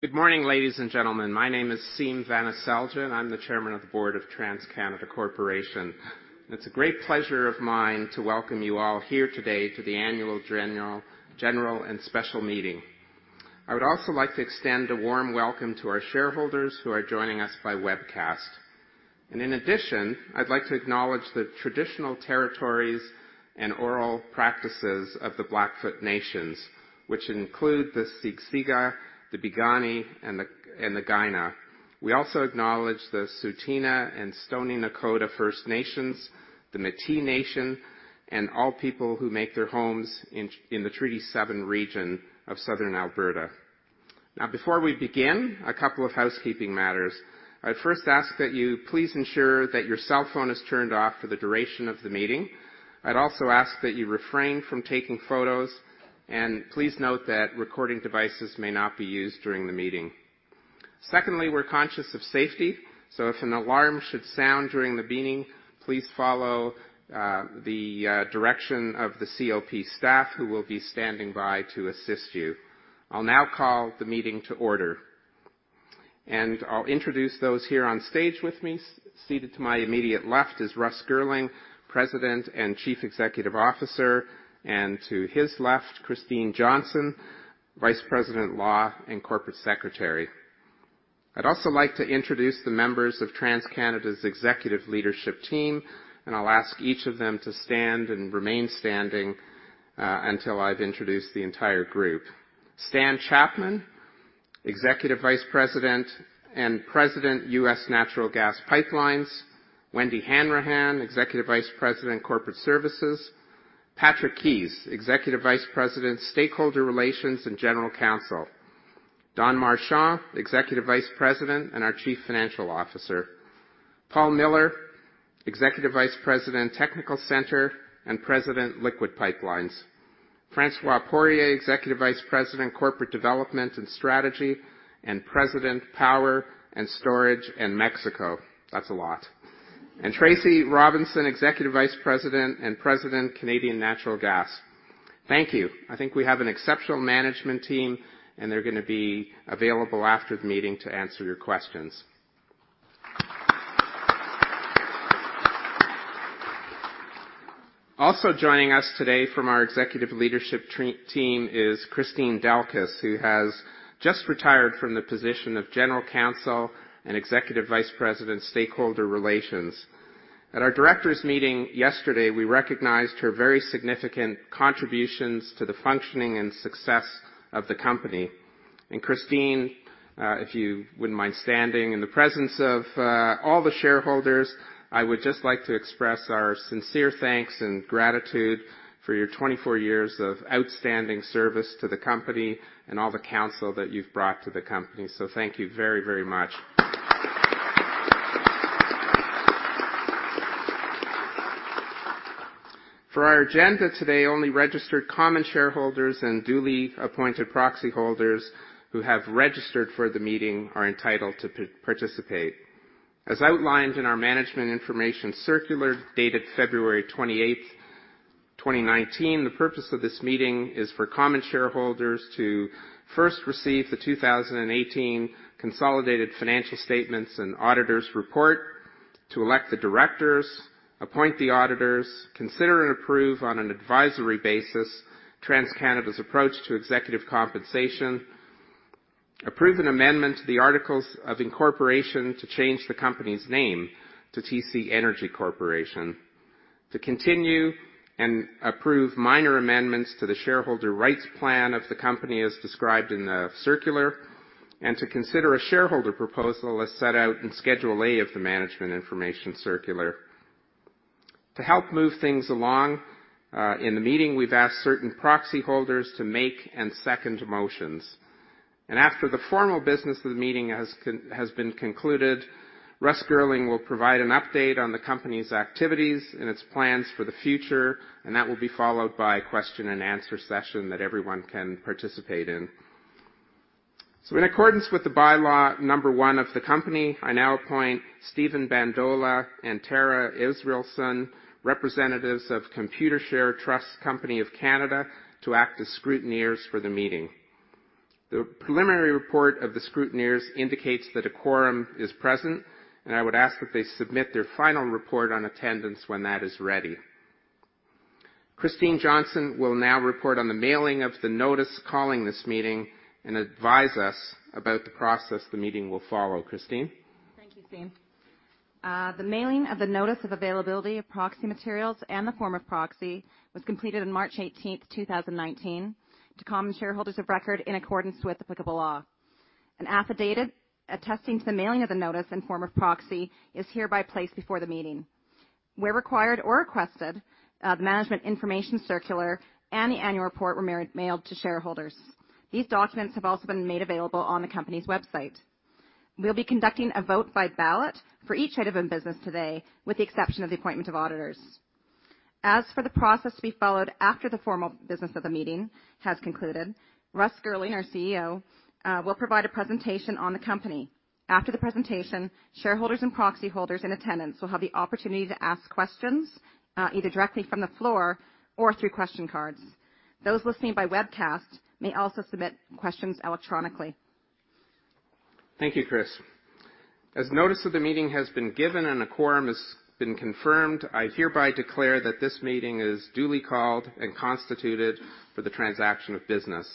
Good morning, ladies and gentlemen. My name is Siim Vanaselja, and I'm the Chairman of the Board of TransCanada Corporation. It's a great pleasure of mine to welcome you all here today to the annual general and special meeting. I would also like to extend a warm welcome to our shareholders who are joining us by webcast. In addition, I'd like to acknowledge the traditional territories and oral practices of the Blackfoot Nations, which include the Siksika, the Piikani, and the Kainai. We also acknowledge the Tsuut'ina and Stoney Nakoda First Nations, the Métis Nation, and all people who make their homes in the Treaty 7 region of Southern Alberta. Before we begin, a couple of housekeeping matters. I'd first ask that you please ensure that your cellphone is turned off for the duration of the meeting. I'd also ask that you refrain from taking photos. Please note that recording devices may not be used during the meeting. Secondly, we're conscious of safety. If an alarm should sound during the meeting, please follow the direction of the COP staff who will be standing by to assist you. I'll call the meeting to order. I'll introduce those here on stage with me. Seated to my immediate left is Russ Girling, President and Chief Executive Officer. To his left, Christine Johnston, Vice President, Law and Corporate Secretary. I'd also like to introduce the members of TransCanada's executive leadership team. I'll ask each of them to stand and remain standing until I've introduced the entire group. Stan Chapman, Executive Vice President and President, US Natural Gas Pipelines. Wendy Hanrahan, Executive Vice President, Corporate Services. Patrick Keys, Executive Vice President, Stakeholder Relations and General Counsel. Don Marchand, Executive Vice President and our Chief Financial Officer. Paul Miller, Executive Vice President, Technical Centre and President, Liquids Pipelines. François Poirier, Executive Vice President, Corporate Development and Strategy, and President, Power and Storage and Mexico. That's a lot. Tracy Robinson, Executive Vice President and President, Canadian Natural Gas Pipelines. Thank you. I think we have an exceptional management team. They're going to be available after the meeting to answer your questions. Also joining us today from our executive leadership team is Kristine Delkus, who has just retired from the position of General Counsel and Executive Vice President, Stakeholder Relations. At our directors' meeting yesterday, we recognized her very significant contributions to the functioning and success of the company. Christine, if you wouldn't mind standing in the presence of all the shareholders, I would just like to express our sincere thanks and gratitude for your 24 years of outstanding service to the company and all the counsel that you've brought to the company. Thank you very much. For our agenda today, only registered common shareholders and duly appointed proxy holders who have registered for the meeting are entitled to participate. As outlined in our management information circular, dated February 28th, 2019, the purpose of this meeting is for common shareholders to first receive the 2018 consolidated financial statements and auditors' report, to elect the directors, appoint the auditors, consider and approve on an advisory basis TransCanada's approach to executive compensation, approve an amendment to the articles of incorporation to change the company's name to TC Energy Corporation, to continue and approve minor amendments to the shareholder rights plan of the company as described in the circular, and to consider a shareholder proposal as set out in Schedule A of the management information circular. To help move things along, in the meeting, we've asked certain proxy holders to make and second motions. After the formal business of the meeting has been concluded, Russ Girling will provide an update on the company's activities and its plans for the future, that will be followed by a question and answer session that everyone can participate in. In accordance with the bylaw number 1 of the company, I now appoint Steven Bandola and Tara Israelson, representatives of Computershare Trust Company of Canada, to act as scrutineers for the meeting. The preliminary report of the scrutineers indicates that a quorum is present, I would ask that they submit their final report on attendance when that is ready. Christine Johnston will now report on the mailing of the notice calling this meeting and advise us about the process the meeting will follow. Christine? Thank you, Siim. The mailing of the notice of availability of proxy materials and the form of proxy was completed on March 18th, 2019 to common shareholders of record in accordance with applicable law. An affidavit attesting to the mailing of the notice and form of proxy is hereby placed before the meeting. Where required or requested, the management information circular and the annual report were mailed to shareholders. These documents have also been made available on the company's website. We'll be conducting a vote by ballot for each item in business today, with the exception of the appointment of auditors. As for the process to be followed after the formal business of the meeting has concluded, Russ Girling, our CEO, will provide a presentation on the company. After the presentation, shareholders and proxy holders in attendance will have the opportunity to ask questions, either directly from the floor or through question cards. Those listening by webcast may also submit questions electronically. Thank you, Chris. As notice of the meeting has been given and a quorum has been confirmed, I hereby declare that this meeting is duly called and constituted for the transaction of business.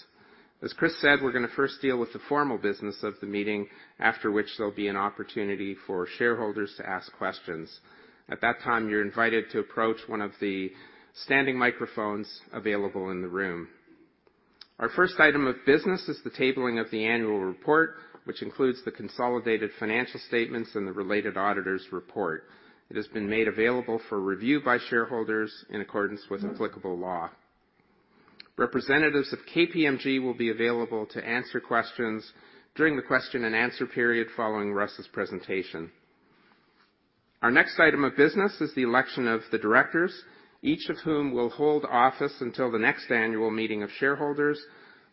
As Chris said, we're going to first deal with the formal business of the meeting, after which there'll be an opportunity for shareholders to ask questions. At that time, you're invited to approach one of the standing microphones available in the room. Our first item of business is the tabling of the annual report, which includes the consolidated financial statements and the related auditor's report. It has been made available for review by shareholders in accordance with applicable law. Representatives of KPMG will be available to answer questions during the question and answer period following Russ's presentation. Our next item of business is the election of the directors, each of whom will hold office until the next annual meeting of shareholders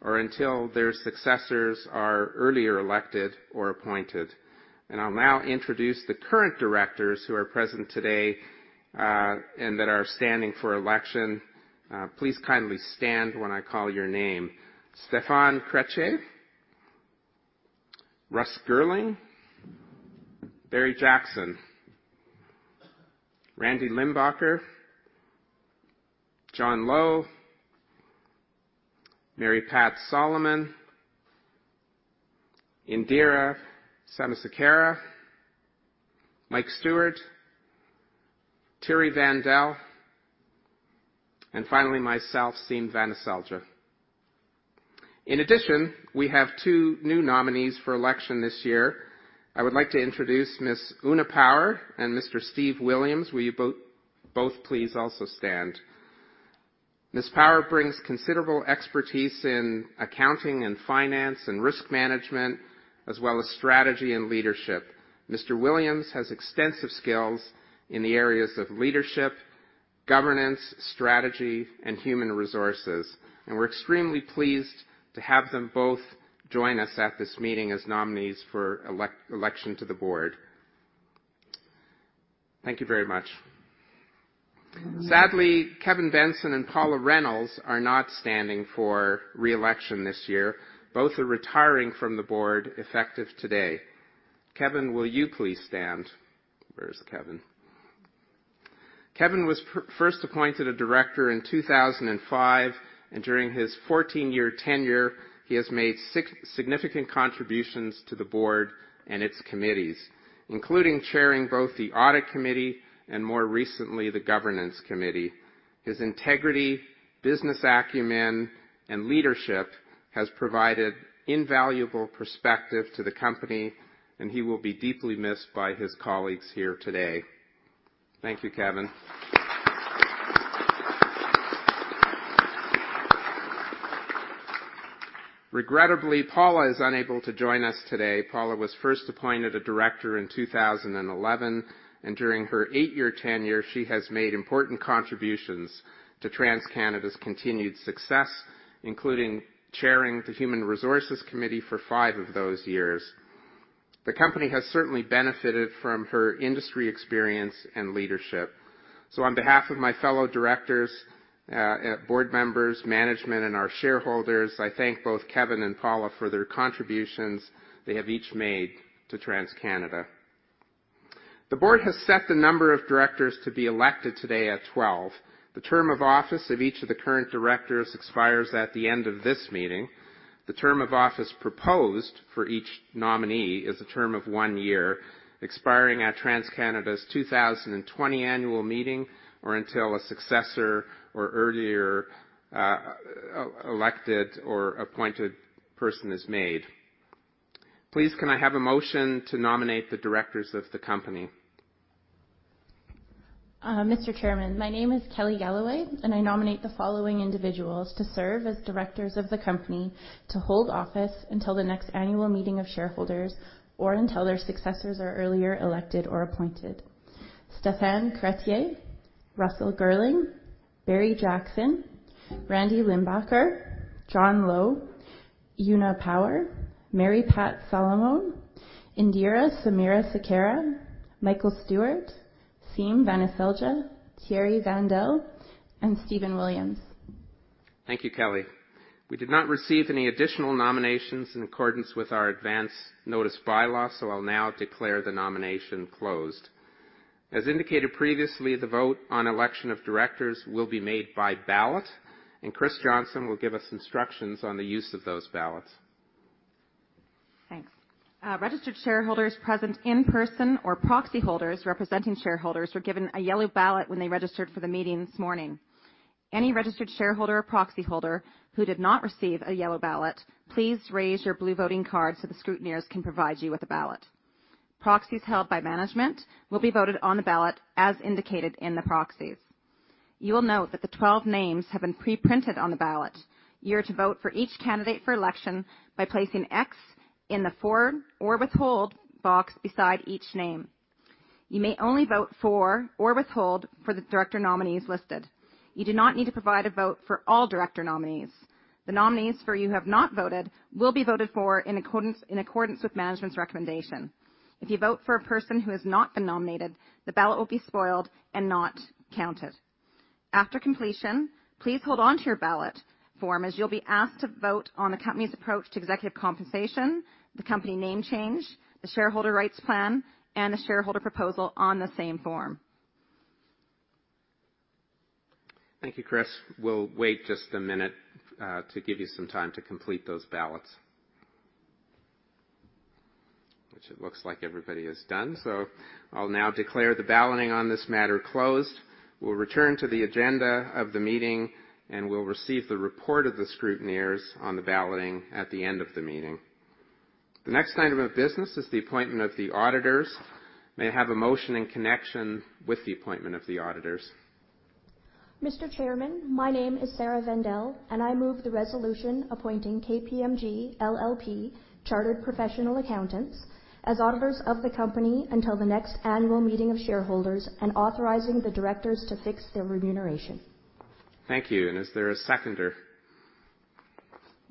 or until their successors are earlier elected or appointed. I'll now introduce the current directors who are present today, and that are standing for election. Please kindly stand when I call your name. Stéphan Crétier. Russ Girling. Barry Jackson. Randy Limbacher. John Lowe. Mary Pat Salomone. Indira Samarasekera. Mike Stewart. Thierry Vandal. Finally, myself, Siim Vanaselja. In addition, we have two new nominees for election this year. I would like to introduce Ms. Una Power and Mr. Steve Williams. Will you both please also stand? Ms. Power brings considerable expertise in accounting and finance and risk management, as well as strategy and leadership. Mr. Williams has extensive skills in the areas of leadership, governance, strategy, and human resources. We're extremely pleased to have them both join us at this meeting as nominees for election to the board. Thank you very much. Sadly, Kevin Benson and Paula Reynolds are not standing for re-election this year. Both are retiring from the board effective today. Kevin, will you please stand? Where is Kevin? Kevin was first appointed a director in 2005, and during his 14-year tenure, he has made significant contributions to the board and its committees, including chairing both the Audit Committee and more recently the Governance Committee. His integrity, business acumen, and leadership has provided invaluable perspective to the company, and he will be deeply missed by his colleagues here today. Thank you, Kevin. Regrettably, Paula is unable to join us today. Paula was first appointed a director in 2011, and during her eight-year tenure, she has made important contributions to TransCanada's continued success, including chairing the Human Resources Committee for five of those years. The company has certainly benefited from her industry experience and leadership. On behalf of my fellow directors, board members, management, and our shareholders, I thank both Kevin and Paula for their contributions they have each made to TransCanada. The board has set the number of directors to be elected today at 12. The term of office of each of the current directors expires at the end of this meeting. The term of office proposed for each nominee is a term of one year, expiring at TransCanada's 2020 annual meeting or until a successor or earlier elected or appointed person is made. Please, can I have a motion to nominate the directors of the company? Mr. Chairman, my name is Kelly Galloway, I nominate the following individuals to serve as directors of the company, to hold office until the next annual meeting of shareholders or until their successors are earlier elected or appointed. Stéphan Crétier, Russell Girling, Barry Jackson, Randy Limbacher, John Lowe, Una Power, Mary Pat Salomone, Indira Samarasekera, Michael Stewart, Siim Vanaselja, Thierry Vandal, and Steven Williams. Thank you, Kelly. We did not receive any additional nominations in accordance with our advance notice bylaws, I'll now declare the nomination closed. As indicated previously, the vote on election of directors will be made by ballot, Christine Johnston will give us instructions on the use of those ballots. Thanks. Registered shareholders present in person or proxy holders representing shareholders were given a yellow ballot when they registered for the meeting this morning. Any registered shareholder or proxy holder who did not receive a yellow ballot, please raise your blue voting card the scrutineers can provide you with a ballot. Proxies held by management will be voted on the ballot as indicated in the proxies. You will note that the 12 names have been pre-printed on the ballot. You're to vote for each candidate for election by placing X in the "for" or "withhold" box beside each name. You may only vote for or withhold for the director nominees listed. You do not need to provide a vote for all director nominees. The nominees for you have not voted will be voted for in accordance with management's recommendation. If you vote for a person who has not been nominated, the ballot will be spoiled and not counted. After completion, please hold on to your ballot form as you'll be asked to vote on the company's approach to executive compensation, the company name change, the shareholder rights plan, and the shareholder proposal on the same form. Thank you, Chris. We will wait just a minute to give you some time to complete those ballots. Which it looks like everybody has done. I will now declare the balloting on this matter closed. We will return to the agenda of the meeting, and we will receive the report of the scrutineers on the balloting at the end of the meeting. The next item of business is the appointment of the auditors. May I have a motion in connection with the appointment of the auditors? Mr. Chairman, my name is Sarah Vendel, and I move the resolution appointing KPMG LLP Chartered Professional Accountants as auditors of the company until the next annual meeting of shareholders and authorizing the directors to fix their remuneration. Thank you. Is there a seconder?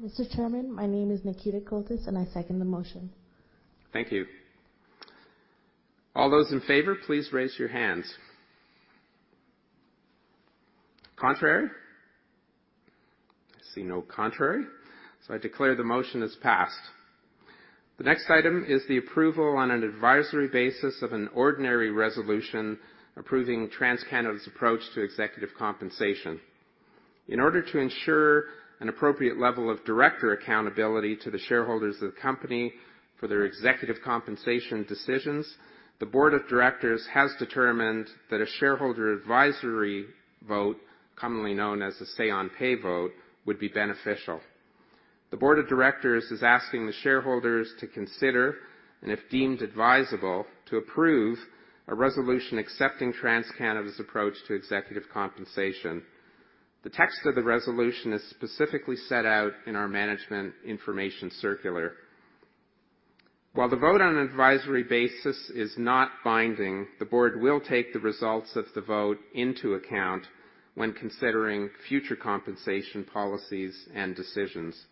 Mr. Chairman, my name is Nikita Koltitsis, and I second the motion. Thank you. All those in favor, please raise your hands. Contrary? I see no contrary. I declare the motion is passed. The next item is the approval on an advisory basis of an ordinary resolution approving TransCanada's approach to executive compensation. In order to ensure an appropriate level of director accountability to the shareholders of the company for their executive compensation decisions, the board of directors has determined that a shareholder advisory vote, commonly known as a say on pay vote, would be beneficial. The board of directors is asking the shareholders to consider, and if deemed advisable, to approve a resolution accepting TransCanada's approach to executive compensation. The text of the resolution is specifically set out in our management information circular. While the vote on an advisory basis is not binding, the board will take the results of the vote into account when considering future compensation policies and decisions.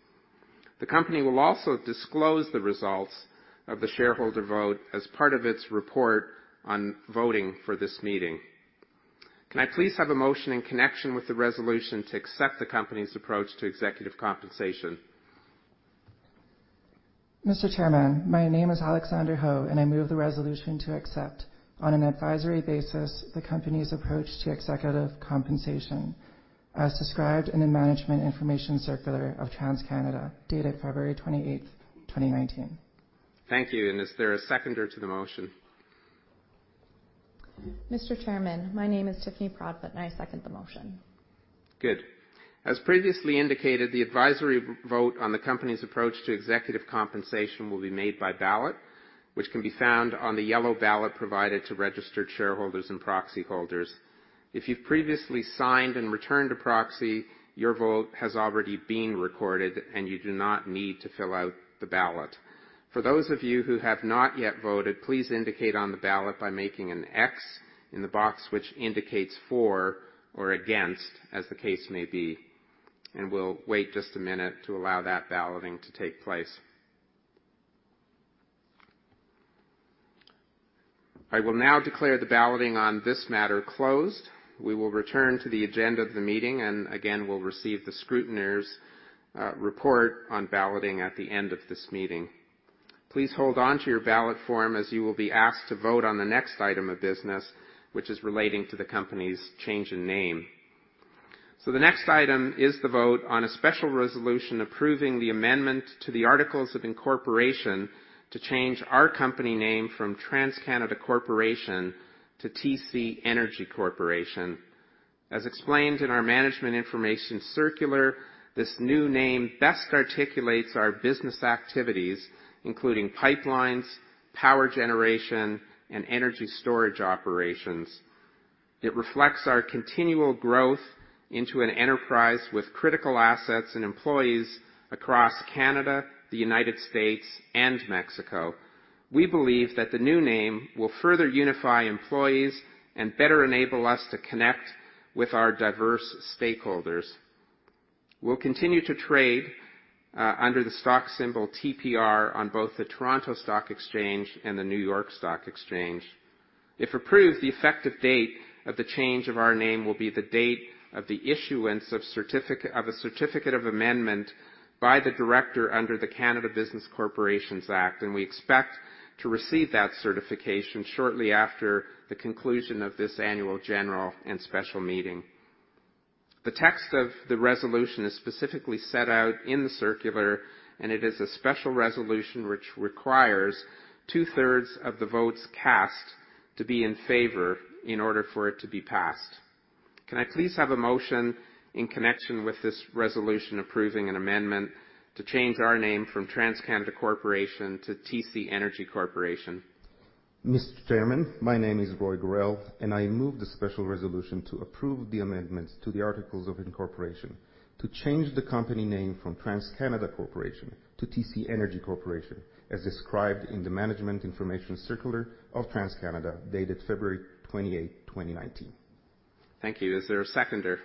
The company will also disclose the results of the shareholder vote as part of its report on voting for this meeting. Can I please have a motion in connection with the resolution to accept the company's approach to executive compensation? Mr. Chairman, my name is Alexander Ho. I move the resolution to accept on an advisory basis the company's approach to executive compensation as described in the management information circular of TransCanada, dated February 28th, 2019. Thank you. Is there a seconder to the motion? Mr. Chairman, my name is Tiffany Broadbent, I second the motion. Good. As previously indicated, the advisory vote on the company's approach to executive compensation will be made by ballot, which can be found on the yellow ballot provided to registered shareholders and proxy holders. If you've previously signed and returned a proxy, your vote has already been recorded, you do not need to fill out the ballot. For those of you who have not yet voted, please indicate on the ballot by making an an X in the box which indicates for or against, as the case may be. We'll wait just a minute to allow that balloting to take place. I will now declare the balloting on this matter closed. We will return to the agenda of the meeting, again, we'll receive the scrutineers' report on balloting at the end of this meeting. Please hold on to your ballot form as you will be asked to vote on the next item of business, which is relating to the company's change in name. The next item is the vote on a special resolution approving the amendment to the articles of incorporation to change our company name from TransCanada Corporation to TC Energy Corporation. As explained in our management information circular, this new name best articulates our business activities, including pipelines, power generation, and energy storage operations. It reflects our continual growth into an enterprise with critical assets and employees across Canada, the United States, and Mexico. We believe that the new name will further unify employees and better enable us to connect with our diverse stakeholders. We'll continue to trade under the stock symbol TRP on both the Toronto Stock Exchange and the New York Stock Exchange. If approved, the effective date of the change of our name will be the date of the issuance of a certificate of amendment by the director under the Canada Business Corporations Act, we expect to receive that certification shortly after the conclusion of this annual general and special meeting. The text of the resolution is specifically set out in the circular, it is a special resolution which requires two-thirds of the votes cast to be in favor in order for it to be passed. Can I please have a motion in connection with this resolution approving an amendment to change our name from TransCanada Corporation to TC Energy Corporation? Mr. Chairman, my name is Roy Gorrell, and I move the special resolution to approve the amendments to the articles of incorporation to change the company name from TransCanada Corporation to TC Energy Corporation, as described in the management information circular of TransCanada, dated February 28th, 2019. Thank you. Is there a seconder?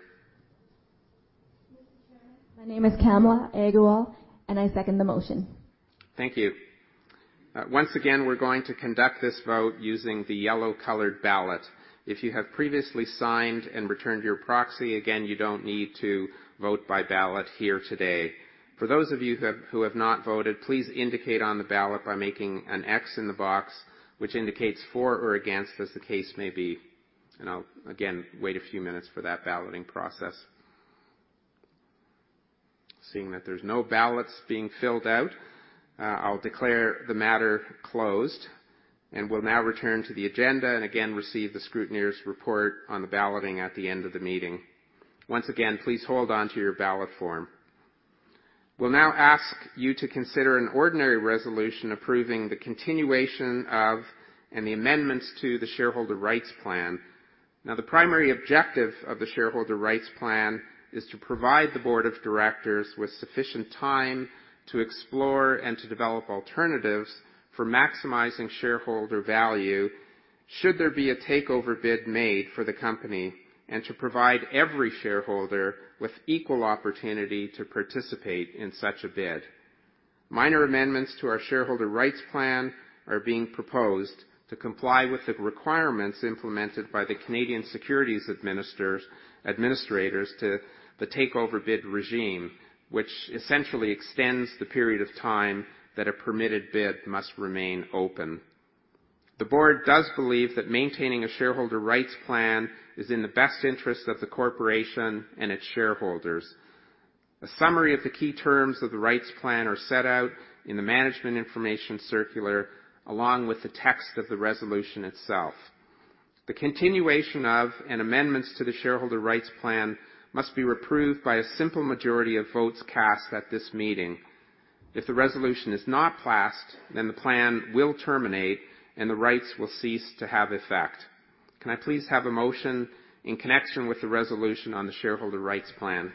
Mr. Chairman, my name is Kamla Agual, and I second the motion. Thank you. Once again, we're going to conduct this vote using the yellow-colored ballot. If you have previously signed and returned your proxy, again, you don't need to vote by ballot here today. For those of you who have not voted, please indicate on the ballot by making an X in the box, which indicates for or against, as the case may be, and I'll again wait a few minutes for that balloting process. Seeing that there's no ballots being filled out, I'll declare the matter closed, and we'll now return to the agenda and again receive the scrutineer's report on the balloting at the end of the meeting. Once again, please hold onto your ballot form. We'll now ask you to consider an ordinary resolution approving the continuation of and the amendments to the shareholder rights plan. The primary objective of the shareholder rights plan is to provide the Board of Directors with sufficient time to explore and to develop alternatives for maximizing shareholder value, should there be a takeover bid made for the company, and to provide every shareholder with equal opportunity to participate in such a bid. Minor amendments to our shareholder rights plan are being proposed to comply with the requirements implemented by the Canadian securities administrators to the takeover bid regime, which essentially extends the period of time that a permitted bid must remain open. The Board does believe that maintaining a shareholder rights plan is in the best interest of the corporation and its shareholders. A summary of the key terms of the rights plan are set out in the management information circular, along with the text of the resolution itself. The continuation of and amendments to the shareholder rights plan must be approved by a simple majority of votes cast at this meeting. If the resolution is not passed, the plan will terminate, and the rights will cease to have effect. Can I please have a motion in connection with the resolution on the shareholder rights plan?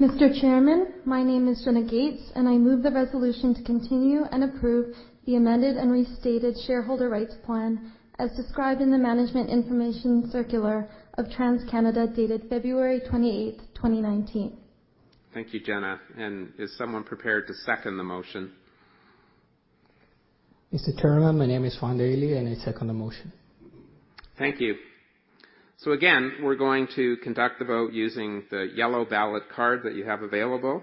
Mr. Chairman, my name is Jenna Gates. I move the resolution to continue and approve the amended and restated shareholder rights plan as described in the management information circular of TransCanada, dated February 28th, 2019. Thank you, Jenna. Is someone prepared to second the motion? Mr. Chairman, my name is John Daly, and I second the motion. Thank you. Again, we're going to conduct the vote using the yellow ballot card that you have available.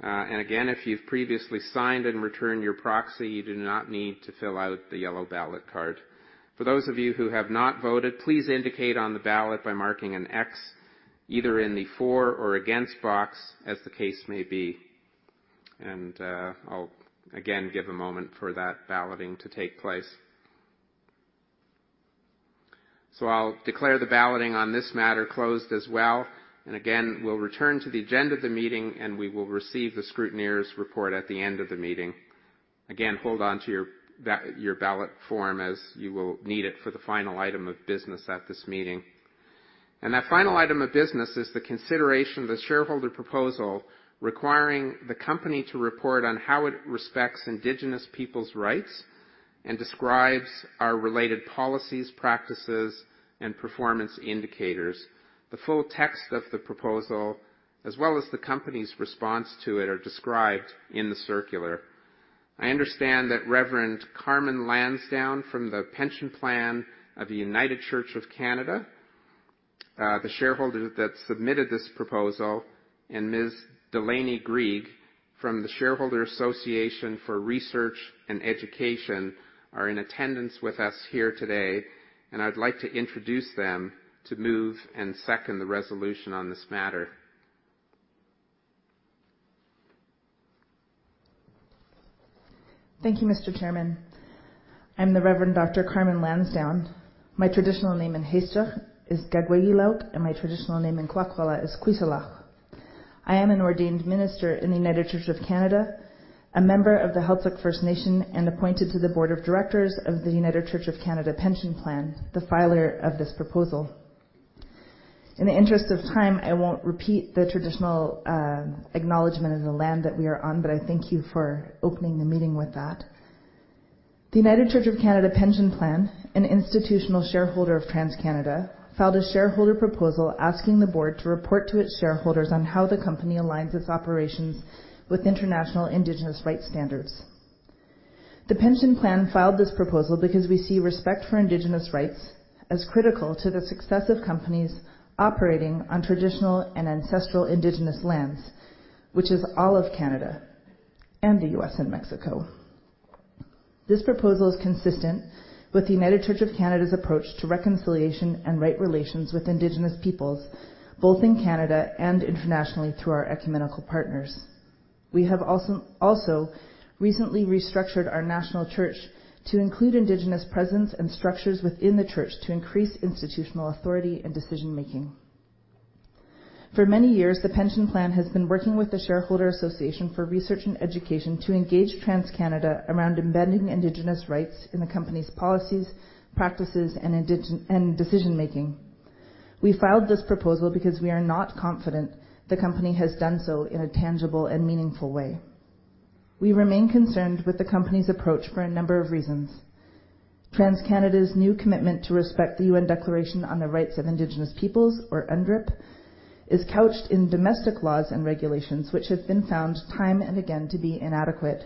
Again, if you've previously signed and returned your proxy, you do not need to fill out the yellow ballot card. For those of you who have not voted, please indicate on the ballot by marking an X, either in the for or against box, as the case may be. I'll, again, give a moment for that balloting to take place. I'll declare the balloting on this matter closed as well. Again, we'll return to the agenda of the meeting, and we will receive the scrutineer's report at the end of the meeting. Again, hold onto your ballot form as you will need it for the final item of business at this meeting. That final item of business is the consideration of the shareholder proposal requiring the company to report on how it respects indigenous people's rights and describes our related policies, practices, and performance indicators. The full text of the proposal, as well as the company's response to it, are described in the circular. I understand that Reverend Carmen Lansdowne from the Pension Plan of the United Church of Canada, the shareholder that submitted this proposal, and Ms. Delaney Greig from the Shareholder Association for Research and Education, are in attendance with us here today, and I'd like to introduce them to move and second the resolution on this matter. Thank you, Mr. Chairman. I'm the Reverend Dr. Carmen Lansdowne. My traditional name in Heiltsuk is [Ḱágwégiławx], and my traditional name in Kwak̓wala is Ḱwisela. I am an ordained minister in the United Church of Canada, a member of the Heiltsuk First Nation, and appointed to the board of directors of the United Church of Canada Pension Plan, the filer of this proposal. In the interest of time, I won't repeat the traditional acknowledgment of the land that we are on, but I thank you for opening the meeting with that. The United Church of Canada Pension Plan, an institutional shareholder of TransCanada, filed a shareholder proposal asking the board to report to its shareholders on how the company aligns its operations with international indigenous rights standards. The pension plan filed this proposal because we see respect for Indigenous rights as critical to the success of companies operating on traditional and ancestral Indigenous lands, which is all of Canada and the U.S. and Mexico. This proposal is consistent with The United Church of Canada's approach to reconciliation and right relations with Indigenous peoples, both in Canada and internationally through our ecumenical partners. We have also recently restructured our national church to include Indigenous presence and structures within the church to increase institutional authority and decision-making. For many years, the pension plan has been working with the Shareholder Association for Research and Education to engage TransCanada around embedding Indigenous rights in the company's policies, practices, and decision-making. We filed this proposal because we are not confident the company has done so in a tangible and meaningful way. We remain concerned with the company's approach for a number of reasons. TransCanada's new commitment to respect the UN Declaration on the Rights of Indigenous Peoples, or UNDRIP, is couched in domestic laws and regulations which have been found time and again to be inadequate.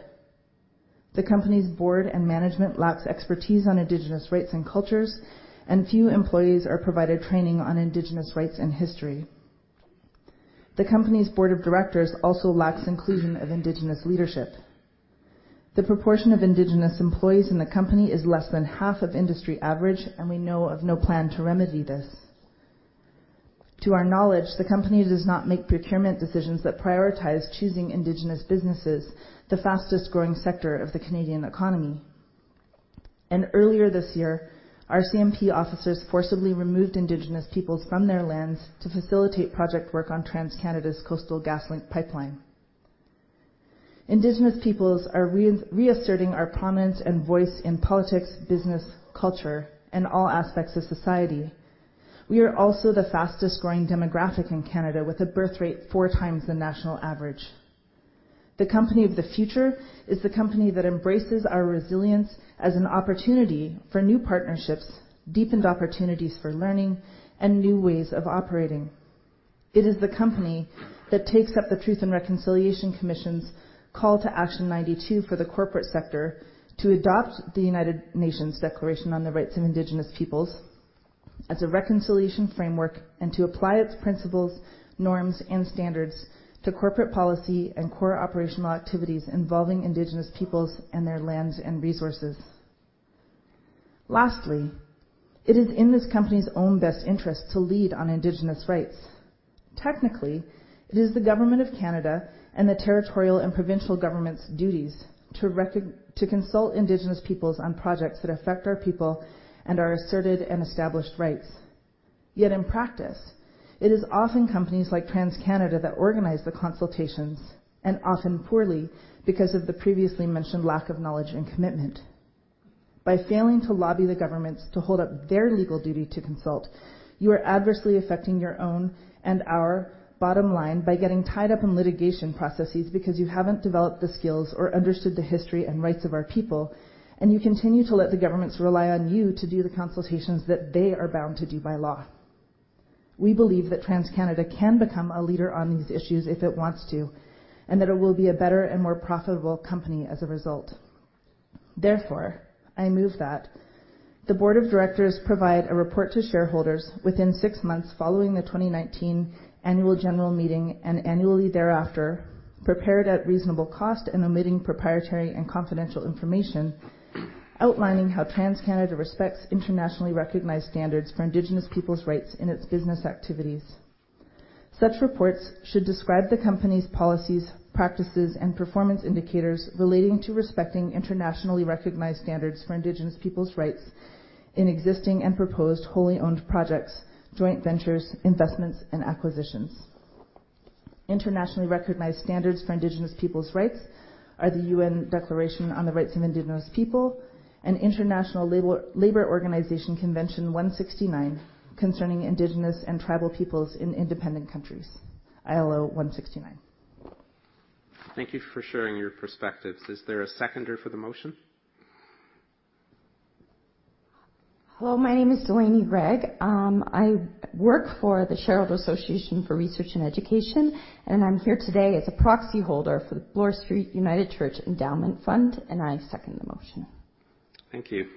The company's board and management lacks expertise on Indigenous rights and cultures, and few employees are provided training on Indigenous rights and history. The company's board of directors also lacks inclusion of Indigenous leadership. The proportion of Indigenous employees in the company is less than half of industry average, and we know of no plan to remedy this. To our knowledge, the company does not make procurement decisions that prioritize choosing Indigenous businesses, the fastest-growing sector of the Canadian economy. Earlier this year, RCMP officers forcibly removed Indigenous peoples from their lands to facilitate project work on TransCanada's Coastal GasLink pipeline. Indigenous peoples are reasserting our prominence and voice in politics, business, culture, and all aspects of society. We are also the fastest-growing demographic in Canada, with a birth rate four times the national average. The company of the future is the company that embraces our resilience as an opportunity for new partnerships, deepened opportunities for learning, and new ways of operating. It is the company that takes up the Truth and Reconciliation Commission's Call to Action 92 for the corporate sector to adopt the United Nations Declaration on the Rights of Indigenous Peoples as a reconciliation framework and to apply its principles, norms, and standards to corporate policy and core operational activities involving Indigenous peoples and their lands and resources. Lastly, it is in this company's own best interest to lead on Indigenous rights. Technically, it is the government of Canada and the territorial and provincial governments' duties to consult Indigenous peoples on projects that affect our people and our asserted and established rights. Yet in practice, it is often companies like TransCanada that organize the consultations, and often poorly, because of the previously mentioned lack of knowledge and commitment. By failing to lobby the governments to hold up their legal duty to consult, you are adversely affecting your own and our bottom line by getting tied up in litigation processes because you haven't developed the skills or understood the history and rights of our people, and you continue to let the governments rely on you to do the consultations that they are bound to do by law. We believe that TransCanada can become a leader on these issues if it wants to, and that it will be a better and more profitable company as a result. Therefore, I move that the board of directors provide a report to shareholders within 6 months following the 2019 annual general meeting and annually thereafter, prepared at reasonable cost and omitting proprietary and confidential information, outlining how TransCanada respects internationally recognized standards for indigenous peoples' rights in its business activities. Such reports should describe the company's policies, practices, and performance indicators relating to respecting internationally recognized standards for indigenous peoples' rights in existing and proposed wholly owned projects, joint ventures, investments, and acquisitions. Internationally recognized standards for indigenous peoples' rights are the United Nations Declaration on the Rights of Indigenous Peoples and International Labour Organization Convention 169 concerning indigenous and tribal peoples in independent countries, ILO 169. Thank you for sharing your perspectives. Is there a seconder for the motion? Hello, my name is Delaney Greig. I work for the Shareholder Association for Research and Education, and I'm here today as a proxy holder for the Bloor Street United Church, Endowment Fund, and I second the motion. Thank you.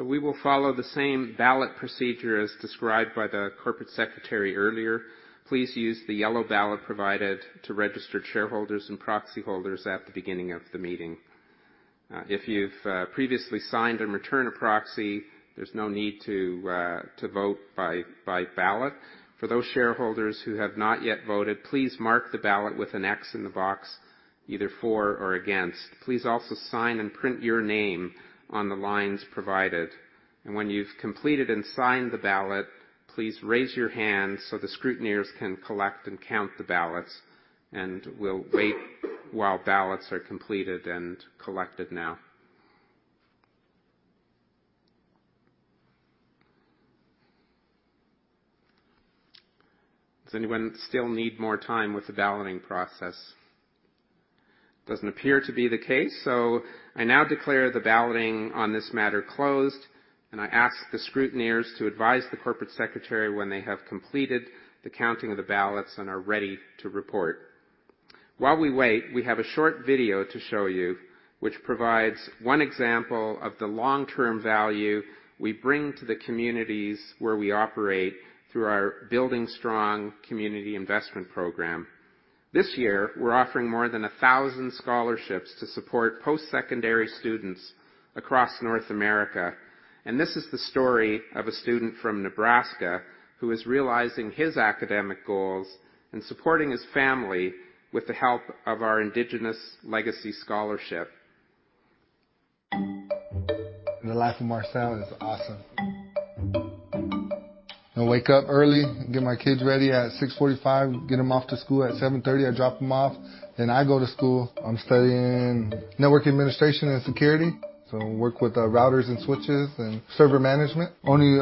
We will follow the same ballot procedure as described by the Corporate Secretary earlier. Please use the yellow ballot provided to registered shareholders and proxy holders at the beginning of the meeting. If you've previously signed and returned a proxy, there's no need to vote by ballot. For those shareholders who have not yet voted, please mark the ballot with an X in the box, either for or against. Please also sign and print your name on the lines provided. When you've completed and signed the ballot, please raise your hand so the scrutineers can collect and count the ballots, and we'll wait while ballots are completed and collected now. Does anyone still need more time with the balloting process? Doesn't appear to be the case, so I now declare the balloting on this matter closed, and I ask the scrutineers to advise the corporate secretary when they have completed the counting of the ballots and are ready to report. While we wait, we have a short video to show you, which provides one example of the long-term value we bring to the communities where we operate through our Build Strong community investment program. This year, we are offering more than 1,000 scholarships to support post-secondary students across North America, and this is the story of a student from Nebraska who is realizing his academic goals and supporting his family with the help of our Indigenous Legacy Scholarship. The life of Marcel is awesome. I wake up early, get my kids ready at 6:45 A.M., get them off to school at 7:30 A.M. I drop them off. I go to school. I'm studying network administration and security. Work with routers and switches and server management. Only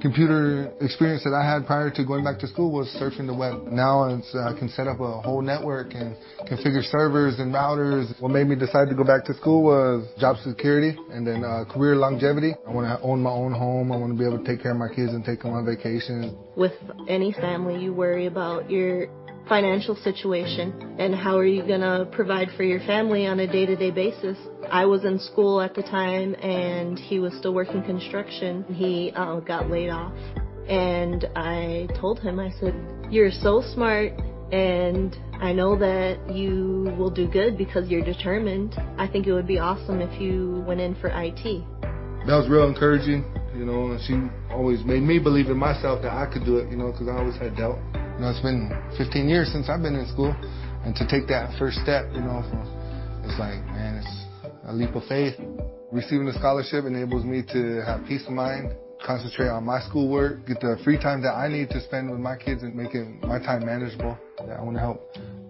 computer experience that I had prior to going back to school was surfing the web. Now, I can set up a whole network and configure servers and routers. What made me decide to go back to school was job security and then career longevity. I want to own my own home. I want to be able to take care of my kids and take them on vacation. With any family, you worry about your financial situation and how are you going to provide for your family on a day-to-day basis. I was in school at the time, and he was still working construction. He got laid off and I told him, I said, "You're so smart, and I know that you will do good because you're determined. I think it would be awesome if you went in for IT. That was real encouraging. She always made me believe in myself that I could do it, because I always had doubt. It's been 15 years since I've been in school, and to take that first step, it's like, man, it's a leap of faith. Receiving the scholarship enables me to have peace of mind, concentrate on my schoolwork, get the free time that I need to spend with my kids and make my time manageable. I want to help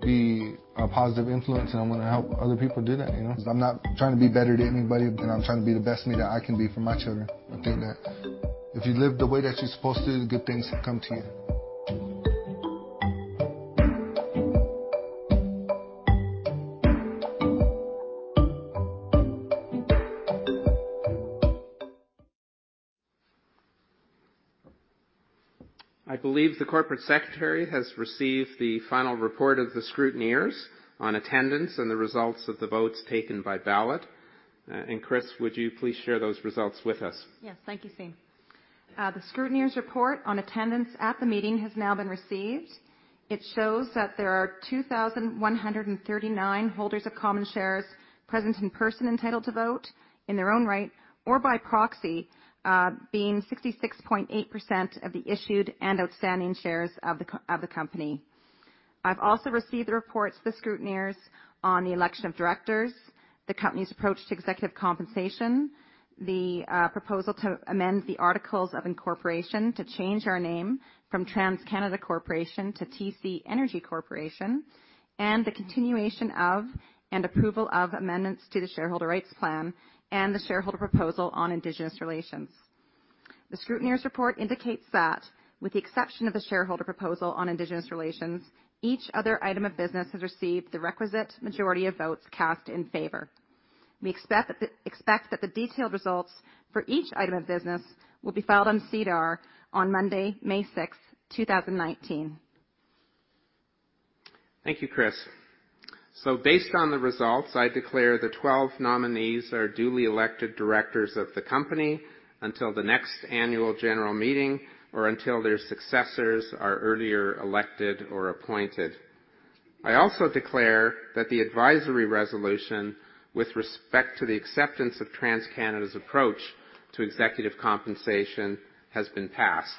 be a positive influence, and I want to help other people do that. I'm not trying to be better than anybody, but I'm trying to be the best me that I can be for my children. I think that if you live the way that you're supposed to, good things will come to you. I believe the corporate secretary has received the final report of the scrutineers on attendance and the results of the votes taken by ballot. Chris, would you please share those results with us? Yes. Thank you, Siim. The scrutineers' report on attendance at the meeting has now been received. It shows that there are 2,139 holders of common shares present in person entitled to vote in their own right or by proxy, being 66.8% of the issued and outstanding shares of the company. I've also received the reports of the scrutineers on the election of directors, the company's approach to executive compensation, the proposal to amend the articles of incorporation to change our name from TransCanada Corporation to TC Energy Corporation, and the continuation of and approval of amendments to the shareholder rights plan and the shareholder proposal on Indigenous relations. The scrutineers' report indicates that with the exception of the shareholder proposal on Indigenous relations, each other item of business has received the requisite majority of votes cast in favor. We expect that the detailed results for each item of business will be filed on SEDAR on Monday, May 6, 2019. Thank you, Chris. Based on the results, I declare the 12 nominees are duly elected directors of the company until the next annual general meeting or until their successors are earlier elected or appointed. I also declare that the advisory resolution with respect to the acceptance of TransCanada's approach to executive compensation has been passed.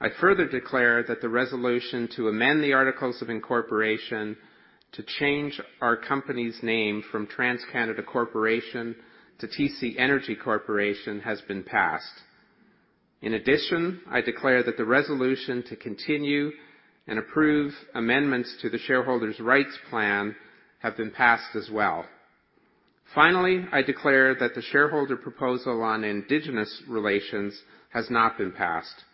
I further declare that the resolution to amend the articles of incorporation to change our company's name from TransCanada Corporation to TC Energy Corporation has been passed. In addition, I declare that the resolution to continue and approve amendments to the shareholders' rights plan have been passed as well. Finally, I declare that the shareholder proposal on Indigenous relations has not been passed.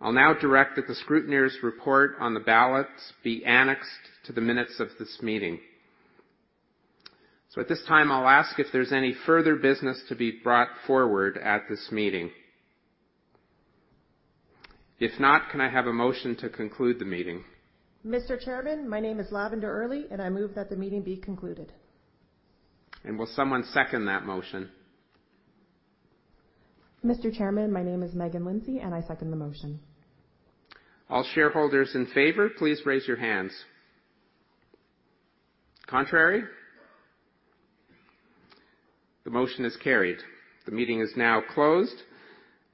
I'll now direct that the scrutineers' report on the ballots be annexed to the minutes of this meeting. At this time, I'll ask if there's any further business to be brought forward at this meeting. If not, can I have a motion to conclude the meeting? Mr. Chairman, my name is Lavender Early, and I move that the meeting be concluded. Will someone second that motion? Mr. Chairman, my name is Megan Lindsay, and I second the motion. All shareholders in favor, please raise your hands. Contrary? The motion is carried. The meeting is now closed.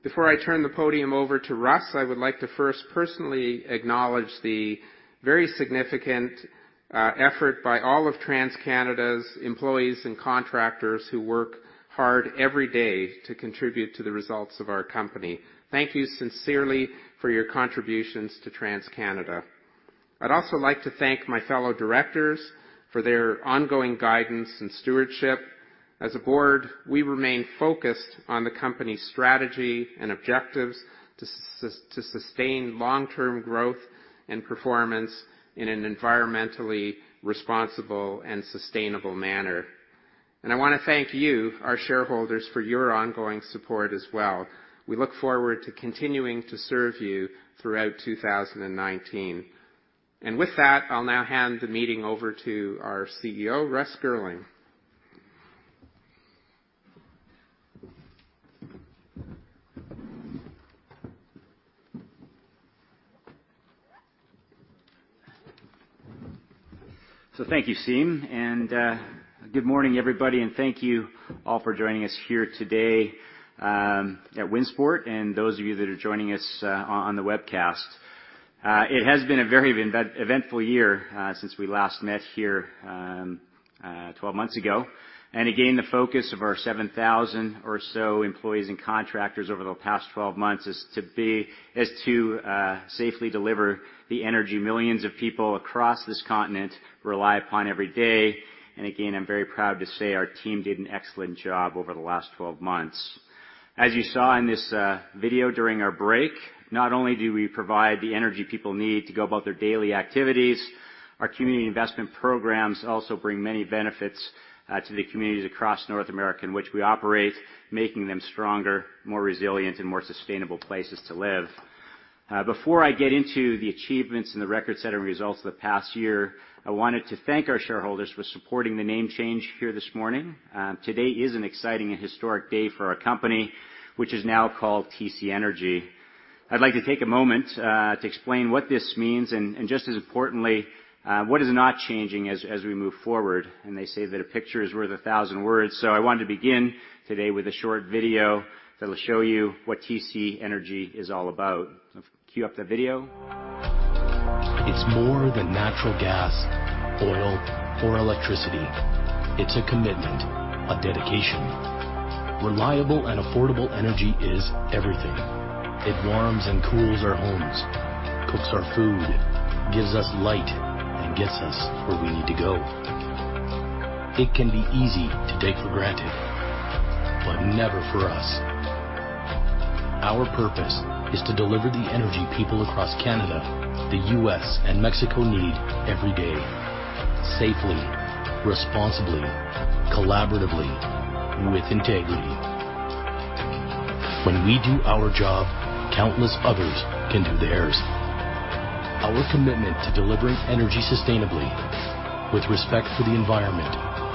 Before I turn the podium over to Russ, I would like to first personally acknowledge the very significant effort by all of TransCanada's employees and contractors who work hard every day to contribute to the results of our company. Thank you sincerely for your contributions to TransCanada. I would also like to thank my fellow directors for their ongoing guidance and stewardship. As a board, we remain focused on the company's strategy and objectives to sustain long-term growth and performance in an environmentally responsible and sustainable manner. I want to thank you, our shareholders, for your ongoing support as well. We look forward to continuing to serve you throughout 2019. With that, I will now hand the meeting over to our CEO, Russ Girling. Thank you, Siim, good morning, everybody, and thank you all for joining us here today at Winsport and those of you that are joining us on the webcast. It has been a very eventful year since we last met here 12 months ago. Again, the focus of our 7,000 or so employees and contractors over the past 12 months is to safely deliver the energy millions of people across this continent rely upon every day. Again, I am very proud to say our team did an excellent job over the last 12 months. As you saw in this video during our break, not only do we provide the energy people need to go about their daily activities, our community investment programs also bring many benefits to the communities across North America in which we operate, making them stronger, more resilient, and more sustainable places to live. Before I get into the achievements and the record-setting results of the past year, I wanted to thank our shareholders for supporting the name change here this morning. Today is an exciting and historic day for our company, which is now called TC Energy. I would like to take a moment to explain what this means, and just as importantly, what is not changing as we move forward. They say that a picture is worth a thousand words, so I wanted to begin today with a short video that will show you what TC Energy is all about. Let's queue up the video. It is more than natural gas, oil, or electricity. It is a commitment, a dedication. Reliable and affordable energy is everything. It warms and cools our homes, cooks our food, gives us light, and gets us where we need to go. It can be easy to take for granted, but never for us. Our purpose is to deliver the energy people across Canada, the U.S., and Mexico need every day, safely, responsibly, collaboratively, with integrity. When we do our job, countless others can do theirs. Our commitment to delivering energy sustainably, with respect to the environment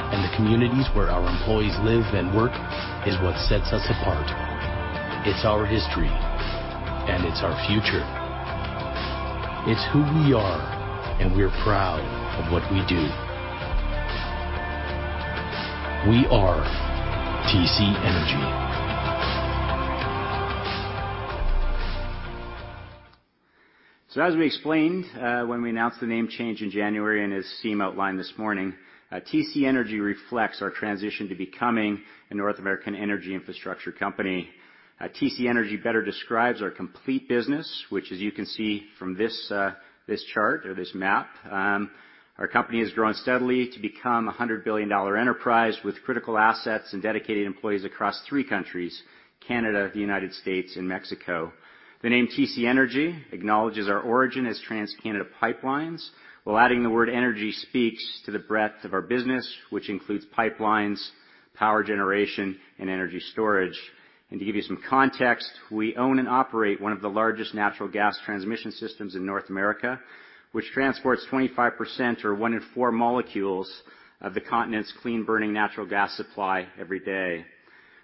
and the communities where our employees live and work is what sets us apart. It is our history, and it is our future. It is who we are, and we are proud of what we do. We are TC Energy. As we explained, when we announced the name change in January, and as Siim outlined this morning, TC Energy reflects our transition to becoming a North American energy infrastructure company. TC Energy better describes our complete business, which as you can see from this chart or this map, our company has grown steadily to become a 100 billion dollar enterprise with critical assets and dedicated employees across three countries, Canada, the United States, and Mexico. The name TC Energy acknowledges our origin as TransCanada Pipelines, while adding the word energy speaks to the breadth of our business, which includes pipelines, power generation, and energy storage. To give you some context, we own and operate one of the largest natural gas transmission systems in North America, which transports 25% or one in four molecules of the continent's clean-burning natural gas supply every day.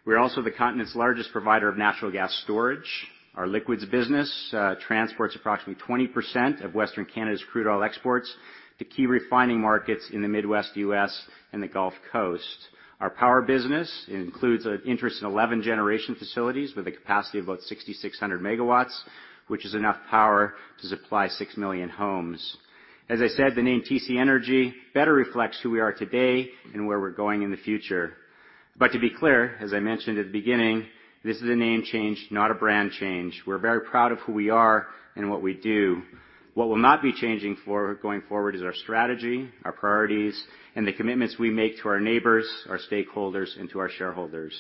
We're also the continent's largest provider of natural gas storage. Our liquids business transports approximately 20% of Western Canada's crude oil exports to key refining markets in the Midwest U.S. and the Gulf Coast. Our power business includes an interest in 11 generation facilities with a capacity of about 6,600 megawatts, which is enough power to supply six million homes. As I said, the name TC Energy better reflects who we are today and where we're going in the future. To be clear, as I mentioned at the beginning, this is a name change, not a brand change. We're very proud of who we are and what we do. What we'll not be changing going forward is our strategy, our priorities, and the commitments we make to our neighbors, our stakeholders, and to our shareholders.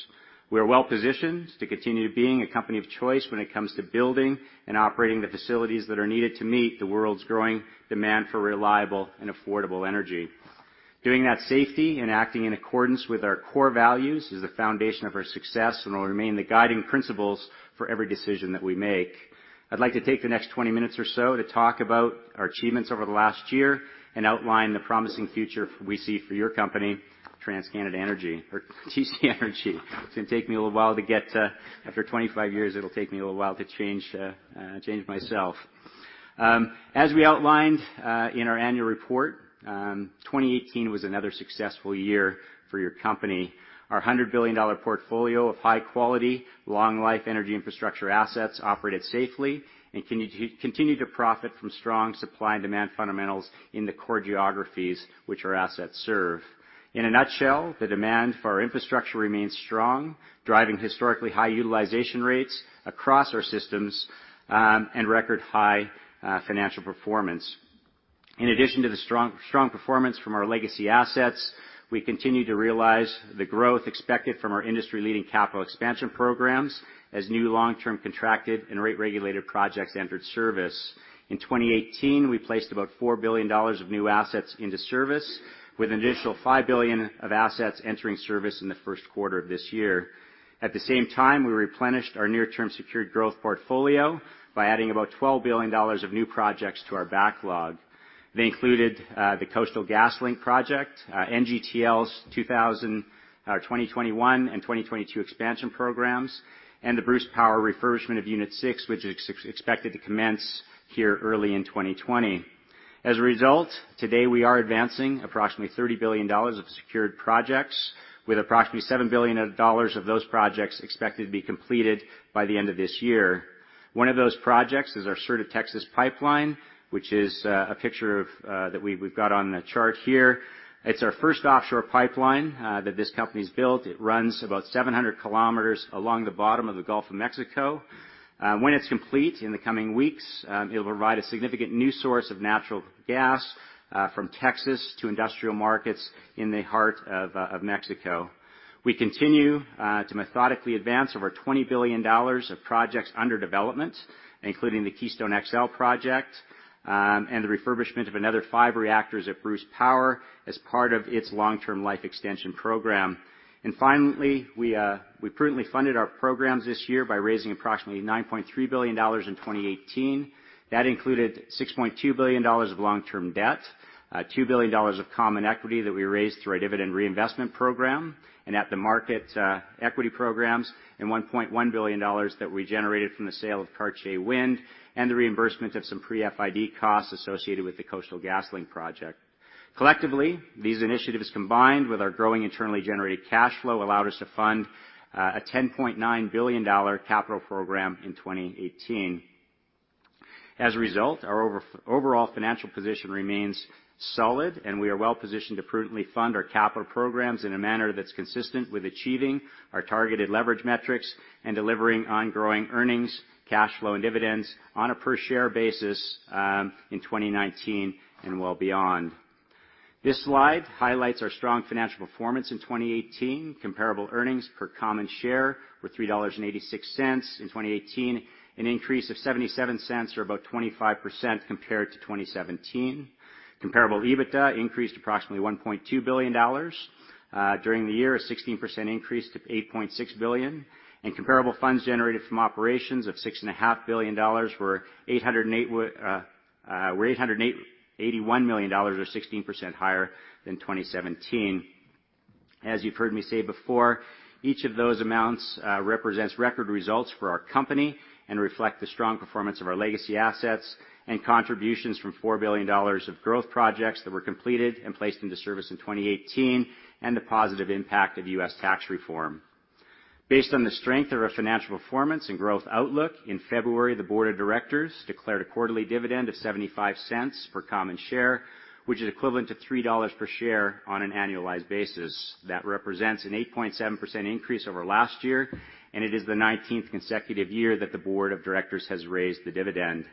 We're well-positioned to continue being a company of choice when it comes to building and operating the facilities that are needed to meet the world's growing demand for reliable and affordable energy. Doing that safely and acting in accordance with our core values is the foundation of our success and will remain the guiding principles for every decision that we make. I'd like to take the next 20 minutes or so to talk about our achievements over the last year and outline the promising future we see for your company, TransCanada Corporation or TC Energy. After 25 years, it'll take me a little while to change myself. As we outlined, in our annual report, 2018 was another successful year for your company. Our 100 billion dollar portfolio of high-quality, long-life energy infrastructure assets operated safely and continued to profit from strong supply and demand fundamentals in the core geographies which our assets serve. In a nutshell, the demand for our infrastructure remains strong, driving historically high utilization rates across our systems, and record-high financial performance. In addition to the strong performance from our legacy assets, we continue to realize the growth expected from our industry-leading capital expansion programs as new long-term contracted and rate-regulated projects entered service. In 2018, we placed about 4 billion dollars of new assets into service with an additional 5 billion of assets entering service in the first quarter of this year. At the same time, we replenished our near-term secured growth portfolio by adding about 12 billion dollars of new projects to our backlog. They included the Coastal GasLink project, NGTL's 2021 and 2022 expansion programs, and the Bruce Power refurbishment of Unit 6, which is expected to commence here early in 2020. As a result, today we are advancing approximately 30 billion dollars of secured projects with approximately 7 billion dollars of those projects expected to be completed by the end of this year. One of those projects is our Sur de Texas pipeline, which is a picture that we've got on the chart here. It's our first offshore pipeline that this company's built. It runs about 700 km along the bottom of the Gulf of Mexico. When it's complete in the coming weeks, it'll provide a significant new source of natural gas from Texas to industrial markets in the heart of Mexico. We continue to methodically advance over 20 billion dollars of projects under development, including the Keystone XL project, and the refurbishment of another five reactors at Bruce Power as part of its long-term life extension program. Finally, we prudently funded our programs this year by raising approximately 9.3 billion dollars in 2018. That included 6.2 billion dollars of long-term debt, 2 billion dollars of common equity that we raised through our dividend reinvestment program and at the market equity programs, and 1.1 billion dollars that we generated from the sale of Cartier Wind and the reimbursement of some pre-FID costs associated with the Coastal GasLink project. Collectively, these initiatives, combined with our growing internally generated cash flow, allowed us to fund a 10.9 billion dollar capital program in 2018. As a result, our overall financial position remains solid, and we are well-positioned to prudently fund our capital programs in a manner that's consistent with achieving our targeted leverage metrics and delivering on growing earnings, cash flow, and dividends on a per-share basis in 2019 and well beyond. This slide highlights our strong financial performance in 2018. Comparable earnings per common share were 3.86 dollars in 2018, an increase of 0.77 or about 25% compared to 2017. Comparable EBITDA increased approximately 1.2 billion dollars. During the year, a 16% increase to 8.6 billion. Comparable funds generated from operations of 6.5 billion dollars were 881 million dollars, or 16% higher than 2017. As you've heard me say before, each of those amounts represents record results for our company and reflect the strong performance of our legacy assets and contributions from 4 billion dollars of growth projects that were completed and placed into service in 2018 and the positive impact of U.S. tax reform. Based on the strength of our financial performance and growth outlook, in February, the board of directors declared a quarterly dividend of 0.75 per common share, which is equivalent to 3 dollars per share on an annualized basis. That represents an 8.7% increase over last year, and it is the 19th consecutive year that the board of directors has raised the dividend.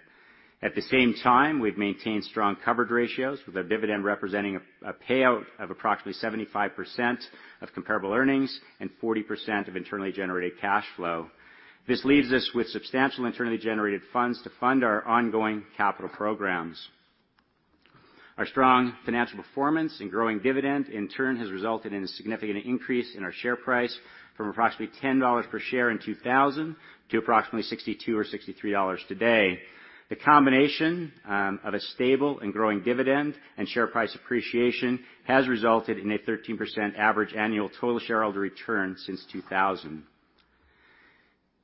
At the same time, we've maintained strong coverage ratios, with our dividend representing a payout of approximately 75% of comparable earnings and 40% of internally generated cash flow. This leaves us with substantial internally generated funds to fund our ongoing capital programs. Our strong financial performance and growing dividend, in turn, has resulted in a significant increase in our share price from approximately 10 dollars per share in 2000 to approximately 62 or 63 dollars today. The combination of a stable and growing dividend and share price appreciation has resulted in a 13% average annual total shareholder return since 2000.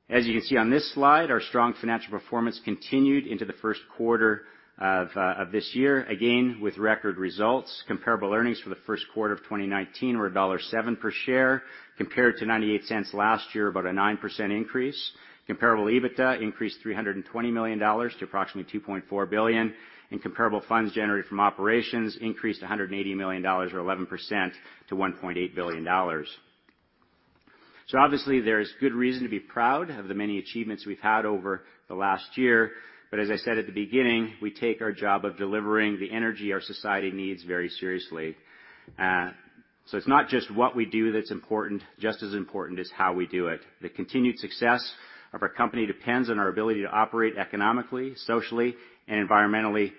As you can see on this slide, our strong financial performance continued into the first quarter of this year, again with record results. Comparable earnings for the first quarter of 2019 were dollar 1.7 per share, compared to 0.98 last year, about a 9% increase. Comparable EBITDA increased 320 million dollars to approximately 2.4 billion, and comparable funds generated from operations increased 180 million dollars or 11% to 1.8 billion dollars. Obviously, there's good reason to be proud of the many achievements we've had over the last year. But as I said at the beginning, we take our job of delivering the energy our society needs very seriously. It's not just what we do that's important, just as important is how we do it. The continued success of our company depends on our ability to operate economically, socially, and environmentally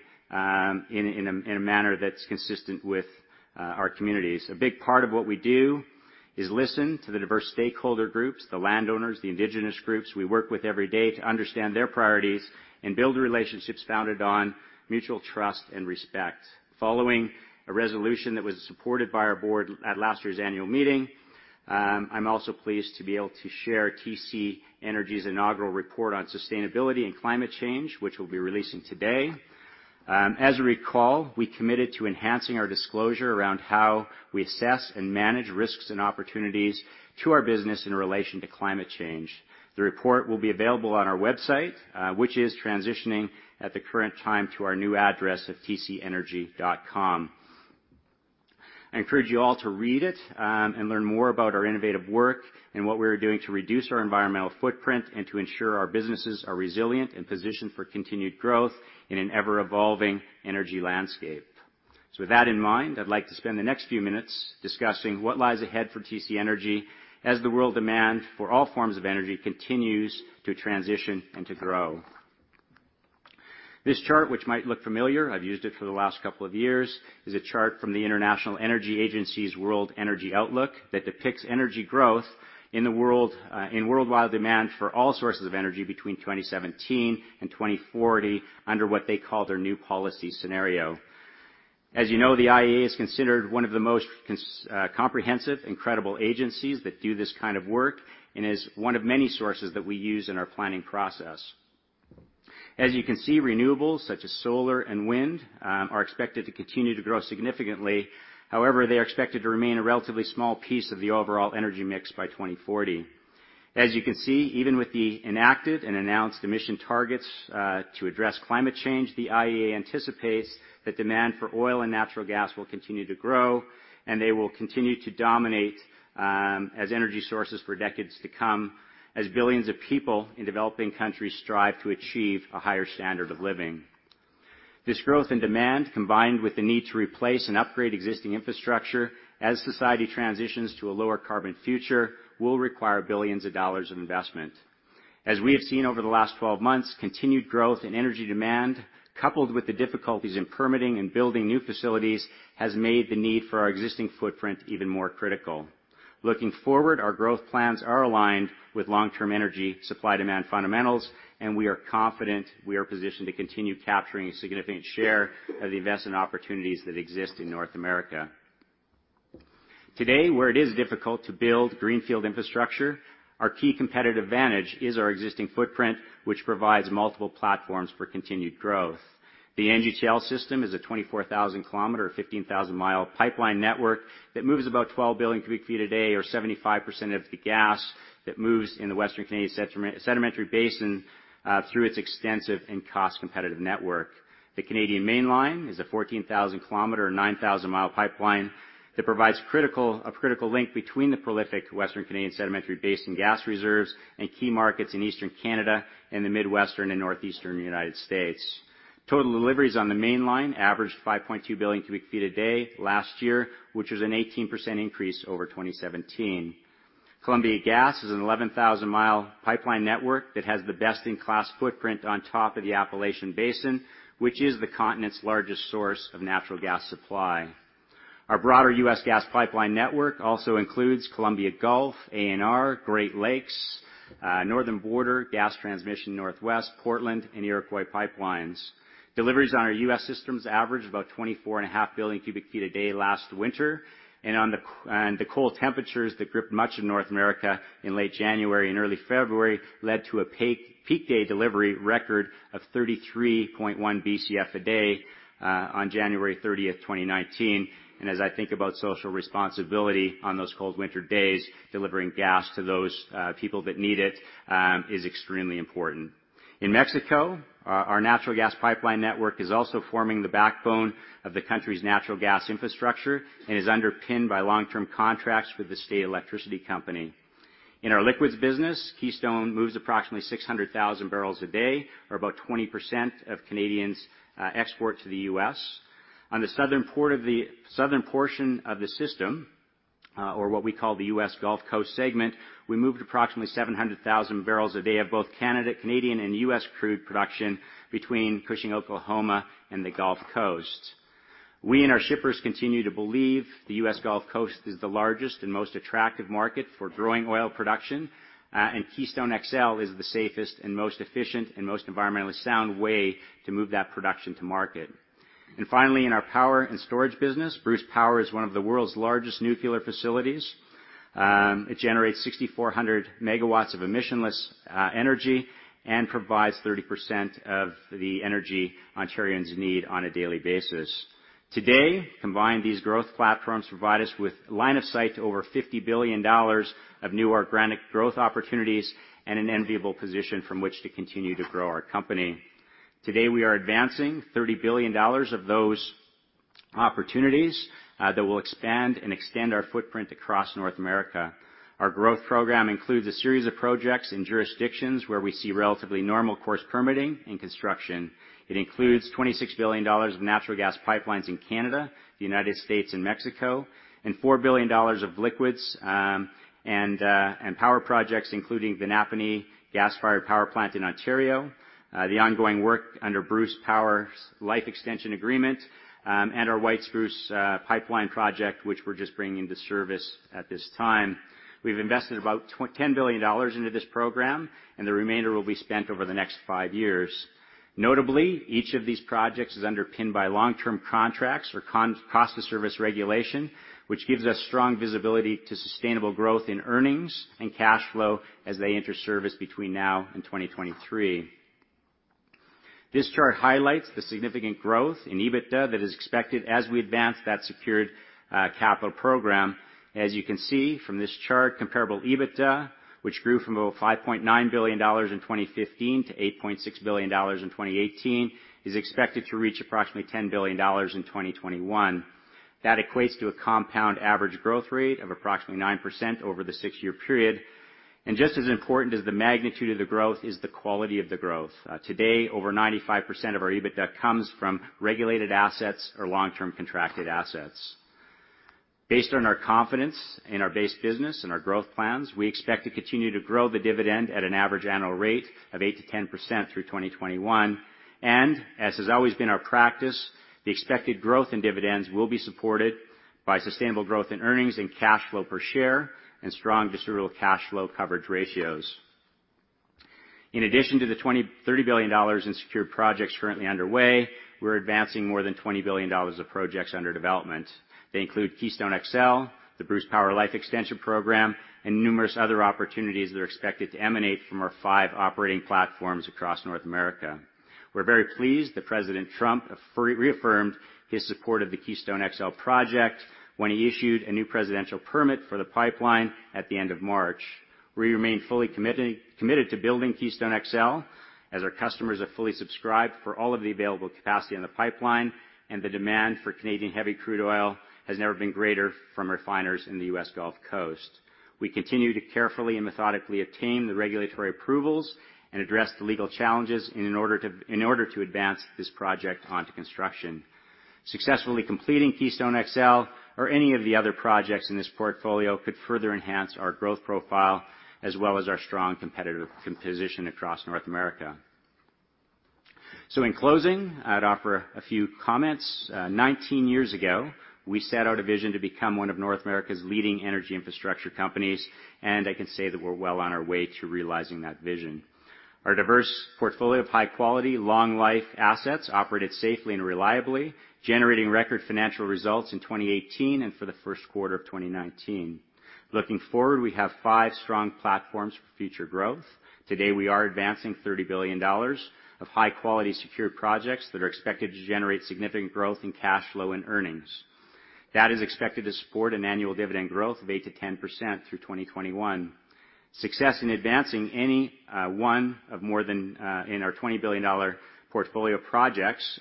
in a manner that's consistent with our communities. A big part of what we do is listen to the diverse stakeholder groups, the landowners, the Indigenous groups we work with every day to understand their priorities and build relationships founded on mutual trust and respect. Following a resolution that was supported by our board at last year's annual meeting, I'm also pleased to be able to share TC Energy's inaugural report on sustainability and climate change, which we'll be releasing today. As you recall, we committed to enhancing our disclosure around how we assess and manage risks and opportunities to our business in relation to climate change. The report will be available on our website, which is transitioning at the current time to our new address at tcenergy.com. I encourage you all to read it and learn more about our innovative work and what we are doing to reduce our environmental footprint and to ensure our businesses are resilient and positioned for continued growth in an ever-evolving energy landscape. With that in mind, I'd like to spend the next few minutes discussing what lies ahead for TC Energy as the world demand for all forms of energy continues to transition and to grow. This chart, which might look familiar, I've used it for the last couple of years, is a chart from the International Energy Agency's World Energy Outlook that depicts energy growth in worldwide demand for all sources of energy between 2017 and 2040 under what they call their new policy scenario. As you know, the IEA is considered one of the most comprehensive and credible agencies that do this kind of work and is one of many sources that we use in our planning process. As you can see, renewables such as solar and wind are expected to continue to grow significantly. However, they are expected to remain a relatively small piece of the overall energy mix by 2040. As you can see, even with the inactive and announced emission targets to address climate change, the IEA anticipates that demand for oil and natural gas will continue to grow, and they will continue to dominate as energy sources for decades to come as billions of people in developing countries strive to achieve a higher standard of living. This growth in demand, combined with the need to replace and upgrade existing infrastructure as society transitions to a lower carbon future, will require billions dollars of investment. As we have seen over the last 12 months, continued growth in energy demand, coupled with the difficulties in permitting and building new facilities, has made the need for our existing footprint even more critical. Looking forward, our growth plans are aligned with long-term energy supply-demand fundamentals, and we are confident we are positioned to continue capturing a significant share of the investment opportunities that exist in North America. Today, where it is difficult to build greenfield infrastructure, our key competitive advantage is our existing footprint, which provides multiple platforms for continued growth. The NGTL system is a 24,000-kilometer or 15,000-mile pipeline network that moves about 12 billion cubic feet a day or 75% of the gas that moves in the Western Canadian Sedimentary Basin through its extensive and cost-competitive network. The Canadian Mainline is a 14,000-kilometer or 9,000-mile pipeline that provides a critical link between the prolific Western Canadian Sedimentary Basin gas reserves and key markets in Eastern Canada and the Midwestern and Northeastern U.S. Total deliveries on the Mainline averaged 5.2 billion cubic feet a day last year, which was an 18% increase over 2017. Columbia Gas is an 11,000-mile pipeline network that has the best-in-class footprint on top of the Appalachian Basin, which is the continent's largest source of natural gas supply. Our broader U.S. gas pipeline network also includes Columbia Gulf, ANR, Great Lakes, Northern Border, Gas Transmission Northwest, Portland, and Iroquois pipelines. Deliveries on our U.S. systems averaged about 24.5 billion cubic feet a day last winter, the cold temperatures that gripped much of North America in late January and early February led to a peak day delivery record of 33.1 Bcf a day on January 30th, 2019. As I think about social responsibility on those cold winter days, delivering gas to those people that need it is extremely important. In Mexico, our natural gas pipeline network is also forming the backbone of the country's natural gas infrastructure and is underpinned by long-term contracts with the state electricity company. In our liquids business, Keystone moves approximately 600,000 barrels a day or about 20% of Canadians export to the U.S. On the southern portion of the system, or what we call the U.S. Gulf Coast segment, we moved approximately 700,000 barrels a day of both Canadian and U.S. crude production between Cushing, Oklahoma and the Gulf Coast. We and our shippers continue to believe the U.S. Gulf Coast is the largest and most attractive market for growing oil production, and Keystone XL is the safest and most efficient and most environmentally sound way to move that production to market. Finally, in our power and storage business, Bruce Power is one of the world's largest nuclear facilities. It generates 6,400 MW of emissionless energy and provides 30% of the energy Ontarians need on a daily basis. Today, combined, these growth platforms provide us with line of sight to over 50 billion dollars of new organic growth opportunities and an enviable position from which to continue to grow our company. Today, we are advancing 30 billion dollars of those opportunities that will expand and extend our footprint across North America. Our growth program includes a series of projects in jurisdictions where we see relatively normal course permitting and construction. It includes 26 billion dollars of natural gas pipelines in Canada, the U.S., and Mexico, and 4 billion dollars of liquids and power projects, including the Napanee Gas-Fired Power Plant in Ontario, the ongoing work under Bruce Power's life extension agreement, and our White Spruce Pipeline project, which we're just bringing to service at this time. We've invested about 10 billion dollars into this program, and the remainder will be spent over the next five years. Notably, each of these projects is underpinned by long-term contracts or cost of service regulation, which gives us strong visibility to sustainable growth in earnings and cash flow as they enter service between now and 2023. This chart highlights the significant growth in EBITDA that is expected as we advance that secured capital program. As you can see from this chart, comparable EBITDA, which grew from about 5.9 billion dollars in 2015 to 8.6 billion dollars in 2018, is expected to reach approximately 10 billion dollars in 2021. That equates to a compound average growth rate of approximately 9% over the six-year period. And just as important as the magnitude of the growth is the quality of the growth. Today, over 95% of our EBITDA comes from regulated assets or long-term contracted assets. Based on our confidence in our base business and our growth plans, we expect to continue to grow the dividend at an average annual rate of 8%-10% through 2021. As has always been our practice, the expected growth in dividends will be supported by sustainable growth in earnings and cash flow per share and strong distributable cash flow coverage ratios. In addition to the 30 billion dollars in secured projects currently underway, we're advancing more than 20 billion dollars of projects under development. They include Keystone XL, the Bruce Power Life Extension Program, and numerous other opportunities that are expected to emanate from our five operating platforms across North America. We're very pleased that President Trump reaffirmed his support of the Keystone XL project when he issued a new presidential permit for the pipeline at the end of March. We remain fully committed to building Keystone XL, as our customers have fully subscribed for all of the available capacity in the pipeline, and the demand for Canadian heavy crude oil has never been greater from refiners in the U.S. Gulf Coast. We continue to carefully and methodically obtain the regulatory approvals and address the legal challenges in order to advance this project onto construction. Successfully completing Keystone XL or any of the other projects in this portfolio could further enhance our growth profile, as well as our strong competitive position across North America. So in closing, I'd offer a few comments. 19 years ago, we set out a vision to become one of North America's leading energy infrastructure companies, and I can say that we're well on our way to realizing that vision. Our diverse portfolio of high-quality, long-life assets operated safely and reliably, generating record financial results in 2018 and for the first quarter of 2019. Looking forward, we have five strong platforms for future growth. Today, we are advancing 30 billion dollars of high-quality, secured projects that are expected to generate significant growth in cash flow and earnings. That is expected to support an annual dividend growth of 8%-10% through 2021. Success in advancing any one of more than in our 20 billion dollar portfolio projects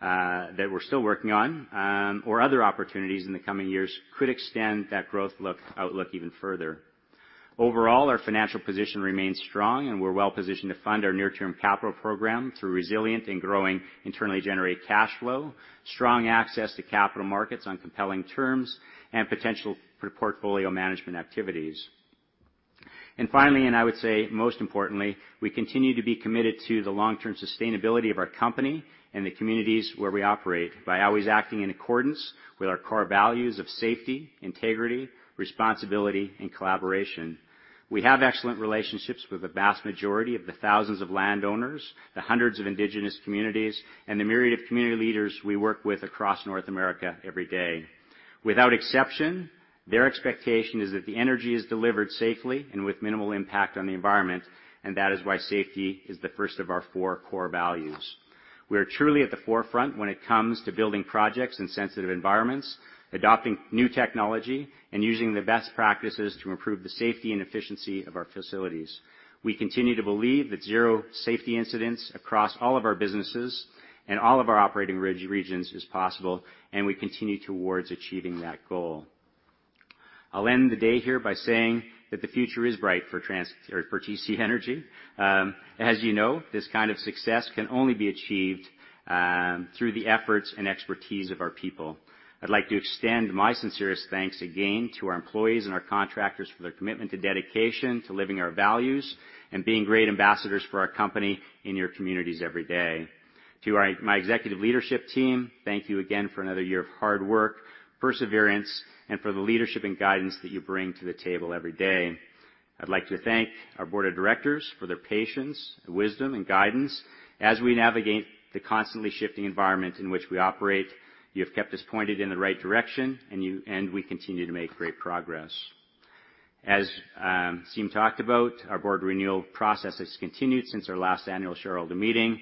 that we're still working on, or other opportunities in the coming years could extend that growth outlook even further. Overall, our financial position remains strong, and we're well-positioned to fund our near-term capital program through resilient and growing internally generated cash flow, strong access to capital markets on compelling terms, and potential for portfolio management activities. Finally, and I would say most importantly, we continue to be committed to the long-term sustainability of our company and the communities where we operate by always acting in accordance with our core values of safety, integrity, responsibility, and collaboration. We have excellent relationships with the vast majority of the thousands of landowners, the hundreds of Indigenous communities, and the myriad of community leaders we work with across North America every day. Without exception, their expectation is that the energy is delivered safely and with minimal impact on the environment, and that is why safety is the first of our four core values. We are truly at the forefront when it comes to building projects in sensitive environments, adopting new technology, and using the best practices to improve the safety and efficiency of our facilities. We continue to believe that zero safety incidents across all of our businesses and all of our operating regions is possible, and we continue towards achieving that goal. I'll end the day here by saying that the future is bright for TC Energy. As you know, this kind of success can only be achieved through the efforts and expertise of our people. I'd like to extend my sincerest thanks again to our employees and our contractors for their commitment to dedication, to living our values, and being great ambassadors for our company in your communities every day. To my executive leadership team, thank you again for another year of hard work, perseverance, and for the leadership and guidance that you bring to the table every day. I'd like to thank our board of directors for their patience, wisdom, and guidance as we navigate the constantly shifting environment in which we operate. You have kept us pointed in the right direction, and we continue to make great progress. As Siim talked about, our board renewal process has continued since our last annual shareholder meeting.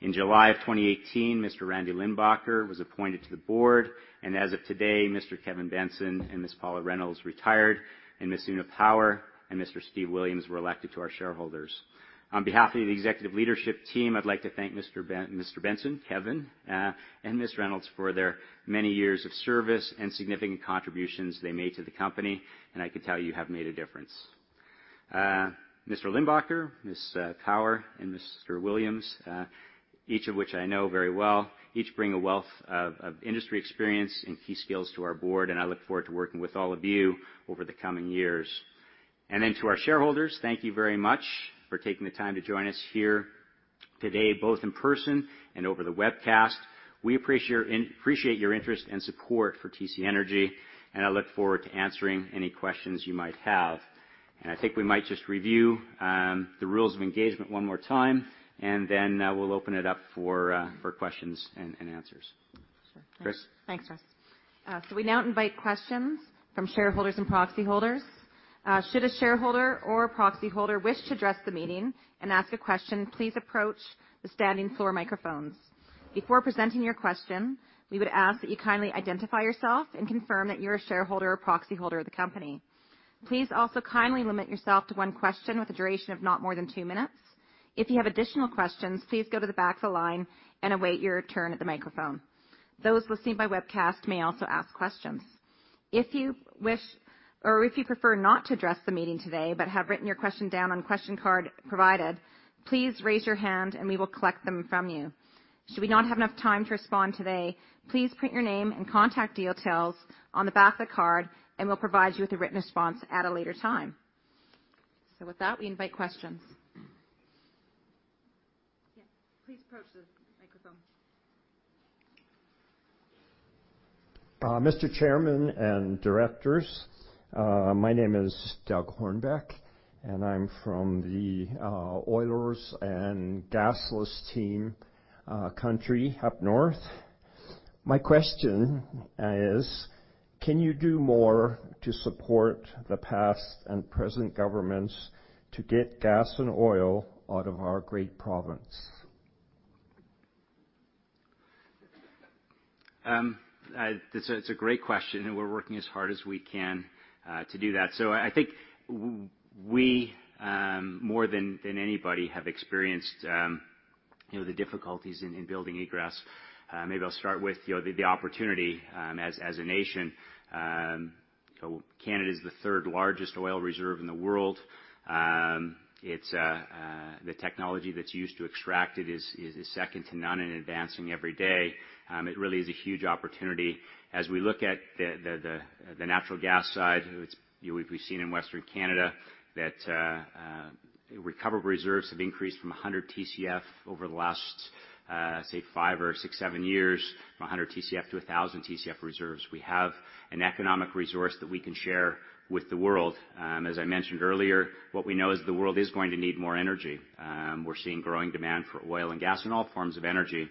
In July of 2018, Mr. Randy Limbacher was appointed to the board, and as of today, Mr. Kevin Benson and Ms. Paula Reynolds retired, and Ms. Una Power and Mr. Steve Williams were elected to our shareholders. On behalf of the executive leadership team, I'd like to thank Mr. Benson, Kevin, and Ms. Reynolds for their many years of service and significant contributions they made to the company, and I can tell you have made a difference. Mr. Limbacher, Ms. Power, and Mr. Williams, each of which I know very well, each bring a wealth of industry experience and key skills to our board. I look forward to working with all of you over the coming years. To our shareholders, thank you very much for taking the time to join us here today, both in person and over the webcast. We appreciate your interest and support for TC Energy. I look forward to answering any questions you might have. I think we might just review the rules of engagement one more time, then we'll open it up for questions and answers. Chris? Thanks, Russ. We now invite questions from shareholders and proxy holders. Should a shareholder or proxy holder wish to address the meeting and ask a question, please approach the standing floor microphones. Before presenting your question, we would ask that you kindly identify yourself and confirm that you're a shareholder or proxy holder of the company. Please also kindly limit yourself to one question with a duration of not more than two minutes. If you have additional questions, please go to the back of the line and await your turn at the microphone. Those listening by webcast may also ask questions. If you wish or if you prefer not to address the meeting today but have written your question down on the question card provided, please raise your hand and we will collect them from you. Should we not have enough time to respond today, please print your name and contact details on the back of the card and we'll provide you with a written response at a later time. With that, we invite questions. Please approach the microphone. Mr. Chairman and directors, my name is Doug Hornbeck, and I'm from the oilers and gasless team country up north. My question is, can you do more to support the past and present governments to get gas and oil out of our great province? It's a great question. We're working as hard as we can to do that. I think we, more than anybody, have experienced the difficulties in building egress. Maybe I'll start with the opportunity as a nation. Canada's the third largest oil reserve in the world. The technology that's used to extract it is second to none and advancing every day. It really is a huge opportunity. As we look at the natural gas side, we've seen in Western Canada that recovered reserves have increased from 100 TCF over the last, say five or six, seven years, from 100 TCF to 1,000 TCF reserves. We have an economic resource that we can share with the world. As I mentioned earlier, what we know is the world is going to need more energy. We're seeing growing demand for oil and gas and all forms of energy.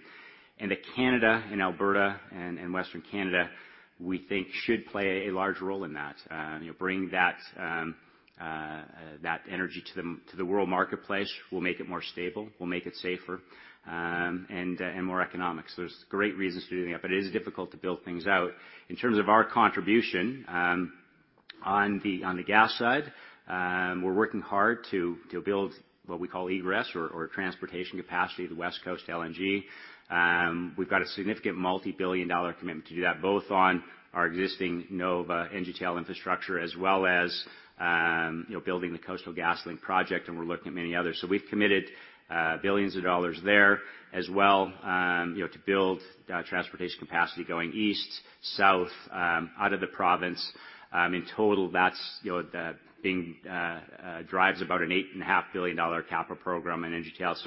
That Canada and Alberta and Western Canada, we think should play a large role in that. Bringing that energy to the world marketplace will make it more stable, will make it safer, and more economic. There's great reasons for doing that, but it is difficult to build things out. In terms of our contribution on the gas side, we're working hard to build what we call egress or transportation capacity to West Coast LNG. We've got a significant multi-billion CAD commitment to do that, both on our existing NOVA NGTL infrastructure as well as building the Coastal GasLink project, and we're looking at many others. We've committed billions of CAD there as well to build transportation capacity going east, south, out of the province. In total, that drives about an eight and a half billion CAD capital program in NGTL.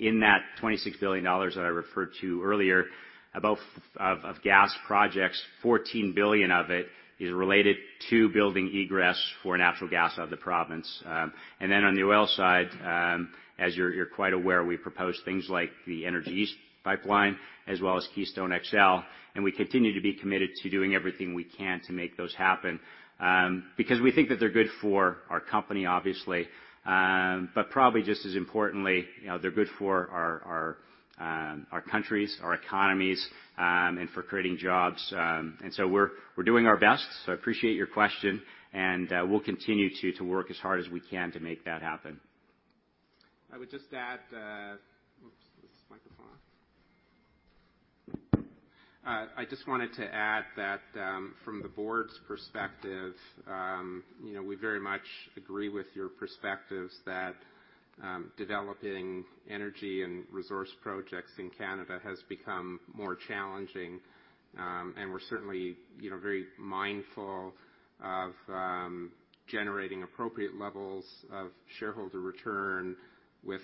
In that 26 billion dollars that I referred to earlier, of gas projects, 14 billion of it is related to building egress for natural gas out of the province. Then on the oil side, as you're quite aware, we propose things like the Energy East pipeline as well as Keystone XL, and we continue to be committed to doing everything we can to make those happen. We think that they're good for our company, obviously, but probably just as importantly, they're good for our countries, our economies, and for creating jobs. We're doing our best. I appreciate your question, and we'll continue to work as hard as we can to make that happen. I just wanted to add that from the board's perspective, we very much agree with your perspectives that developing energy and resource projects in Canada has become more challenging, and we're certainly very mindful of generating appropriate levels of shareholder return with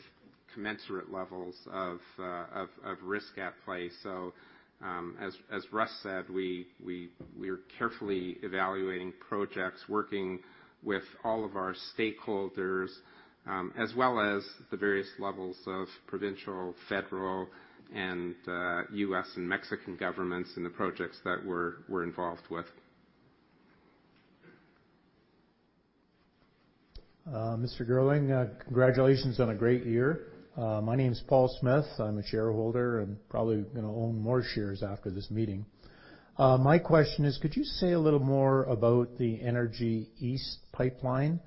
commensurate levels of risk at play. As Russ said, we're carefully evaluating projects, working with all of our stakeholders, as well as the various levels of provincial, federal, and U.S. and Mexican governments in the projects that we're involved with. Mr. Girling, congratulations on a great year. My name's Paul Smith. I'm a shareholder and probably going to own more shares after this meeting. My question is, could you say a little more about the Energy East pipeline?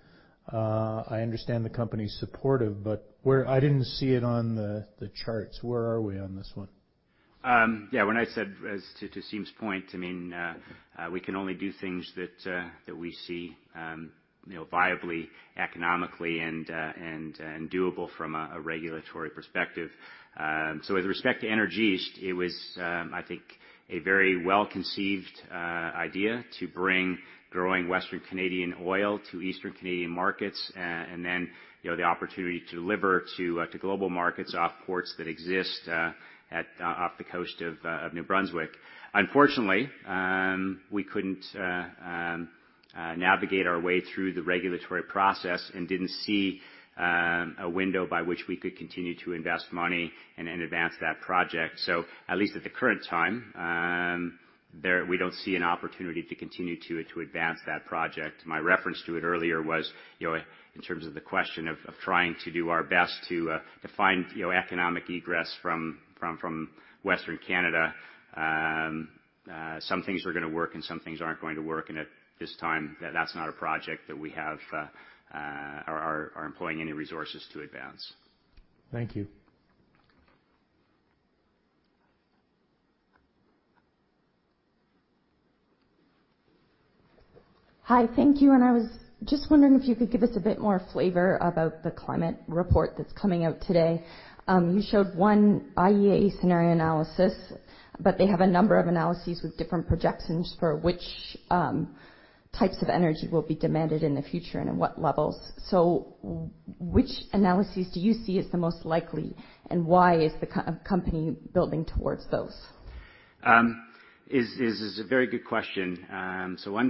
I understand the company's supportive, but I didn't see it on the charts. Where are we on this one? Yeah, when I said as to Siim's point, I mean, we can only do things that we see viably, economically, and doable from a regulatory perspective. With respect to Energy East, it was, I think, a very well-conceived idea to bring growing Western Canadian oil to Eastern Canadian markets, and then the opportunity to deliver to global markets off ports that exist off the coast of New Brunswick. Unfortunately, we couldn't navigate our way through the regulatory process and didn't see a window by which we could continue to invest money and advance that project. So at least at the current time, we don't see an opportunity to continue to advance that project. My reference to it earlier was in terms of the question of trying to do our best to find economic egress from Western Canada. Some things are going to work, and some things aren't going to work, and at this time, that's not a project that we are employing any resources to advance. Thank you. Hi, thank you. I was just wondering if you could give us a bit more flavor about the climate report that's coming out today. You showed one IEA scenario analysis, but they have a number of analyses with different projections for types of energy will be demanded in the future, and at what levels. Which analysis do you see as the most likely, and why is the company building towards those? It's a very good question. What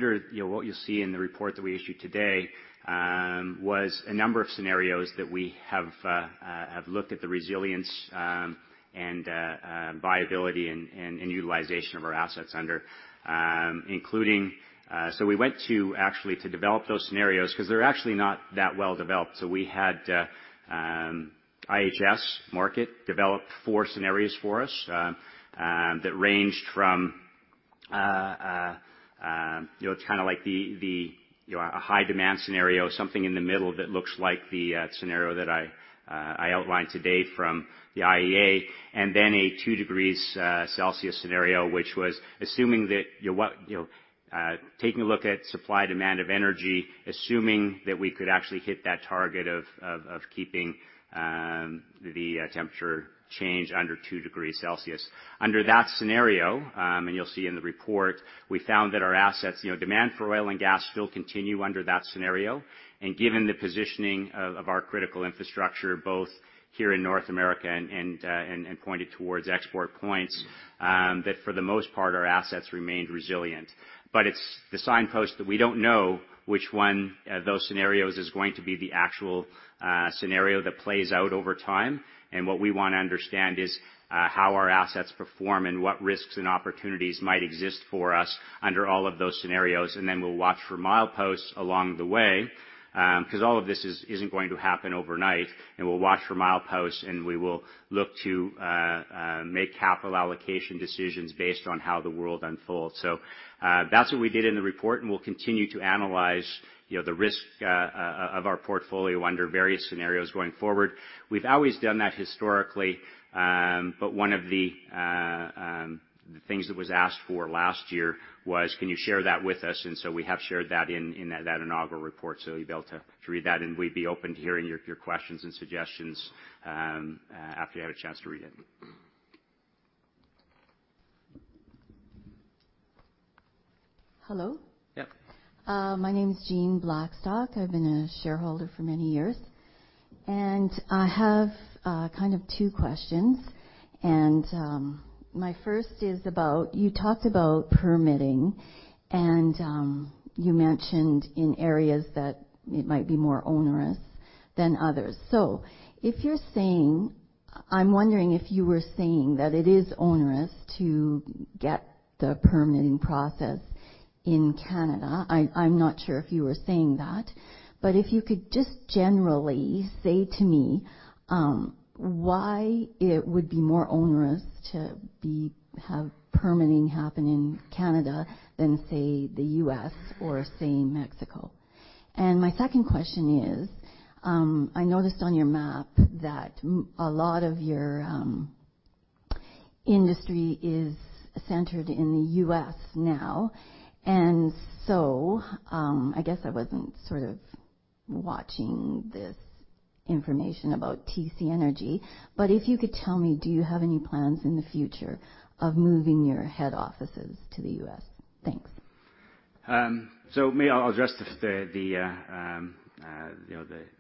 you'll see in the report that we issued today was a number of scenarios that we have looked at the resilience and viability and utilization of our assets under. We went to actually develop those scenarios because they're actually not that well developed. We had IHS Markit develop four scenarios for us that ranged from a high demand scenario, something in the middle that looks like the scenario that I outlined today from the IEA, and then a two degrees Celsius scenario, which was assuming that, taking a look at supply demand of energy, assuming that we could actually hit that target of keeping the temperature change under two degrees Celsius. Under that scenario, and you'll see in the report, we found that our assets, demand for oil and gas, will continue under that scenario. Given the positioning of our critical infrastructure, both here in North America and pointed towards export points, that for the most part, our assets remained resilient. It's the signpost that we don't know which one of those scenarios is going to be the actual scenario that plays out over time. What we want to understand is how our assets perform and what risks and opportunities might exist for us under all of those scenarios. Then we'll watch for Mileposts along the way, because all of this isn't going to happen overnight. We'll watch for Mileposts, and we will look to make capital allocation decisions based on how the world unfolds. That's what we did in the report, and we'll continue to analyze the risk of our portfolio under various scenarios going forward. We've always done that historically. One of the things that was asked for last year was, can you share that with us? We have shared that in that inaugural report. You'll be able to read that, and we'd be open to hearing your questions and suggestions after you have a chance to read it. Hello? Yep. My name is Jean Blackstock. I've been a shareholder for many years. I have kind of two questions. My first is about, you talked about permitting, and you mentioned in areas that it might be more onerous than others. I'm wondering if you were saying that it is onerous to get the permitting process in Canada. I'm not sure if you were saying that, but if you could just generally say to me why it would be more onerous to have permitting happen in Canada than, say, the U.S. or, say, Mexico. My second question is, I noticed on your map that a lot of your industry is centered in the U.S. now. I guess I wasn't sort of watching this information about TC Energy, but if you could tell me, do you have any plans in the future of moving your head offices to the U.S.? Thanks. Maybe I'll address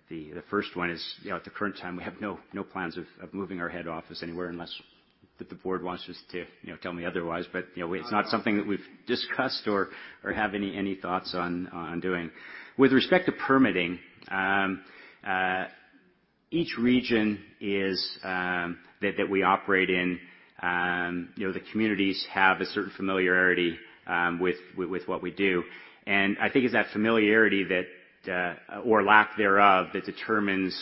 the first one is, at the current time, we have no plans of moving our head office anywhere unless the board wants to tell me otherwise, but it's not something that we've discussed or have any thoughts on doing. With respect to permitting, each region that we operate in, the communities have a certain familiarity with what we do. I think it's that familiarity or lack thereof, that determines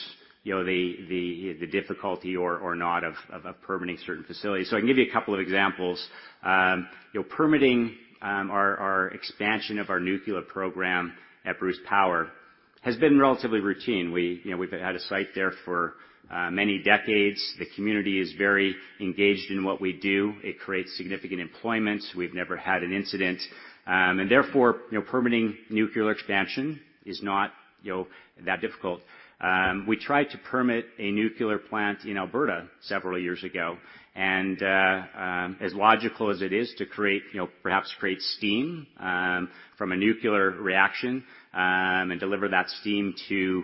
the difficulty or not of permitting certain facilities. I can give you a couple of examples. Permitting our expansion of our nuclear program at Bruce Power has been relatively routine. We've had a site there for many decades. The community is very engaged in what we do. It creates significant employment. We've never had an incident. Therefore, permitting nuclear expansion is not that difficult. We tried to permit a nuclear plant in Alberta several years ago, as logical as it is to perhaps create steam from a nuclear reaction and deliver that steam to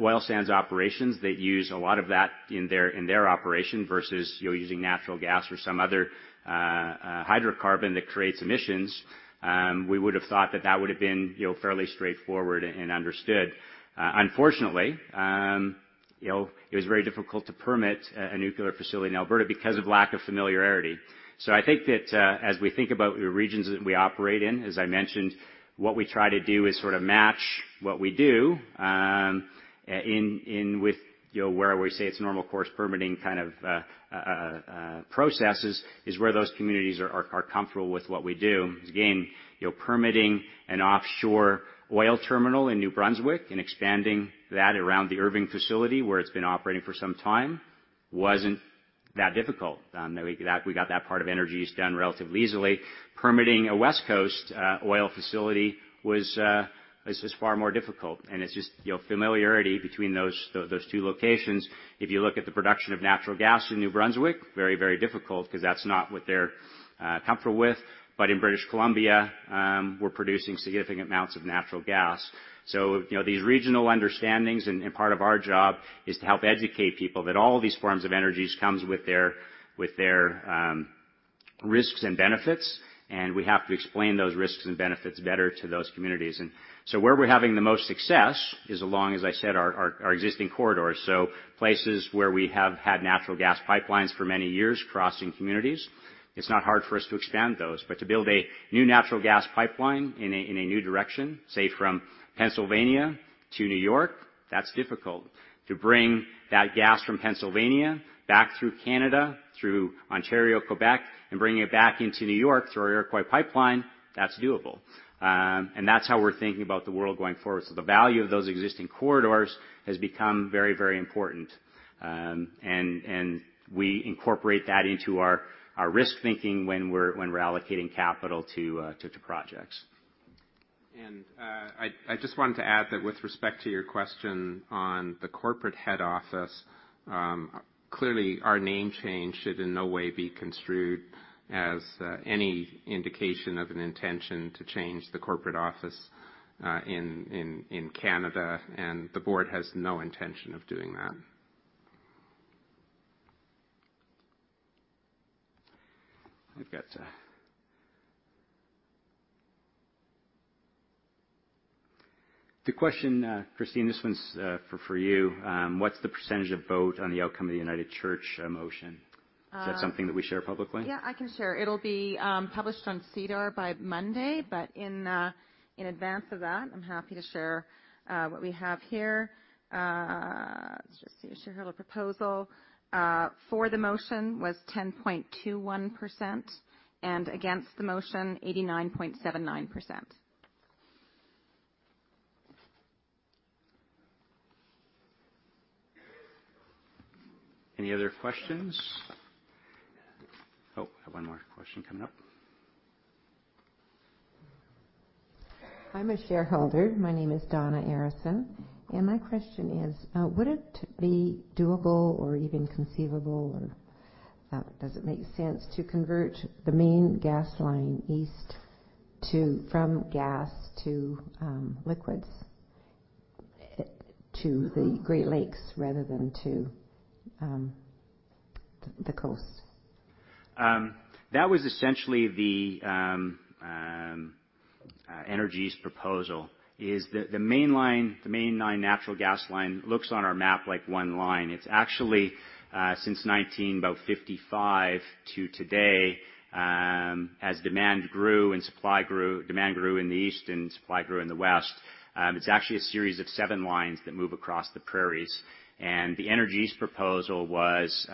oil sands operations that use a lot of that in their operation versus using natural gas or some other hydrocarbon that creates emissions, we would have thought that that would have been fairly straightforward and understood. Unfortunately, it was very difficult to permit a nuclear facility in Alberta because of lack of familiarity. I think that as we think about the regions that we operate in, as I mentioned, what we try to do is sort of match what we do with where we say it's normal course permitting kind of processes is where those communities are comfortable with what we do. Again, permitting an offshore oil terminal in New Brunswick and expanding that around the Irving facility where it's been operating for some time wasn't that difficult. We got that part of Energy East done relatively easily. Permitting a West Coast oil facility was far more difficult. It's just familiarity between those two locations. If you look at the production of natural gas in New Brunswick, very difficult because that's not what they're comfortable with. In British Columbia, we're producing significant amounts of natural gas. These regional understandings, and part of our job is to help educate people that all these forms of energies comes with their risks and benefits. We have to explain those risks and benefits better to those communities. Where we're having the most success is along, as I said, our existing corridors. Places where we have had natural gas pipelines for many years crossing communities. It's not hard for us to expand those. To build a new natural gas pipeline in a new direction, say from Pennsylvania to New York, that's difficult. To bring that gas from Pennsylvania back through Canada, through Ontario, Quebec, and bringing it back into New York through our Iroquois pipeline, that's doable. That's how we're thinking about the world going forward. The value of those existing corridors has become very important. We incorporate that into our risk thinking when we're allocating capital to projects. I just wanted to add that with respect to your question on the corporate head office, clearly our name change should in no way be construed as any indication of an intention to change the corporate office in Canada, and the board has no intention of doing that. We've got the question, Christine, this one's for you. What's the percentage of vote on the outcome of the United Church motion? Is that something that we share publicly? Yeah, I can share. It'll be published on SEDAR by Monday, but in advance of that, I'm happy to share what we have here. Let's just see, shareholder proposal for the motion was 10.21%, and against the motion, 89.79%. Any other questions? Oh, I have one more question coming up. I'm a shareholder. My name is Donna Harrison. My question is, would it be doable or even conceivable or does it make sense to convert the main gas line east from gas to liquids to the Great Lakes rather than to the coast? That was essentially TC Energy's proposal, is the main natural gas line looks on our map like one line. It's actually since 1955 to today, as demand grew and supply grew, demand grew in the east and supply grew in the west. It's actually a series of seven lines that move across the prairies. The TC Energy's proposal was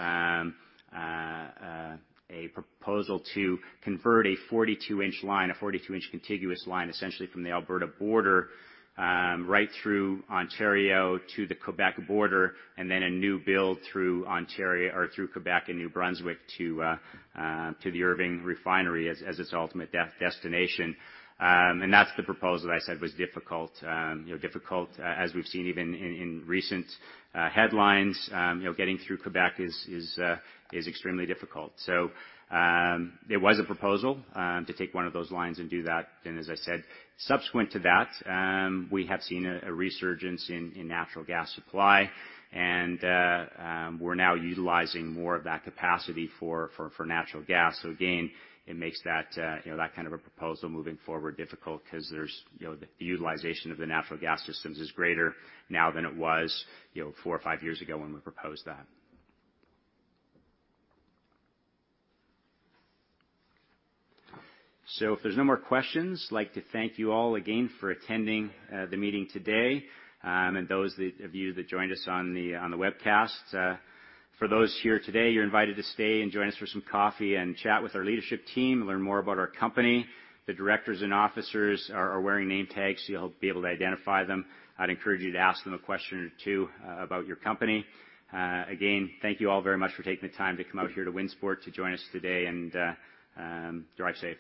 a proposal to convert a 42-inch line, a 42-inch contiguous line, essentially from the Alberta border right through Ontario to the Quebec border, and then a new build through Quebec and New Brunswick to the Irving Oil Refinery as its ultimate destination. That's the proposal that I said was difficult. Difficult as we've seen even in recent headlines, getting through Quebec is extremely difficult. There was a proposal to take one of those lines and do that. As I said, subsequent to that, we have seen a resurgence in natural gas supply. We're now utilizing more of that capacity for natural gas. Again, it makes that kind of a proposal moving forward difficult because the utilization of the natural gas systems is greater now than it was four or five years ago when we proposed that. If there's no more questions, I'd like to thank you all again for attending the meeting today, and those of you that joined us on the webcast. For those here today, you're invited to stay and join us for some coffee and chat with our leadership team, learn more about our company. The directors and officers are wearing name tags, so you'll be able to identify them. I'd encourage you to ask them a question or two about your company. Again, thank you all very much for taking the time to come out here to Winsport to join us today and drive safe.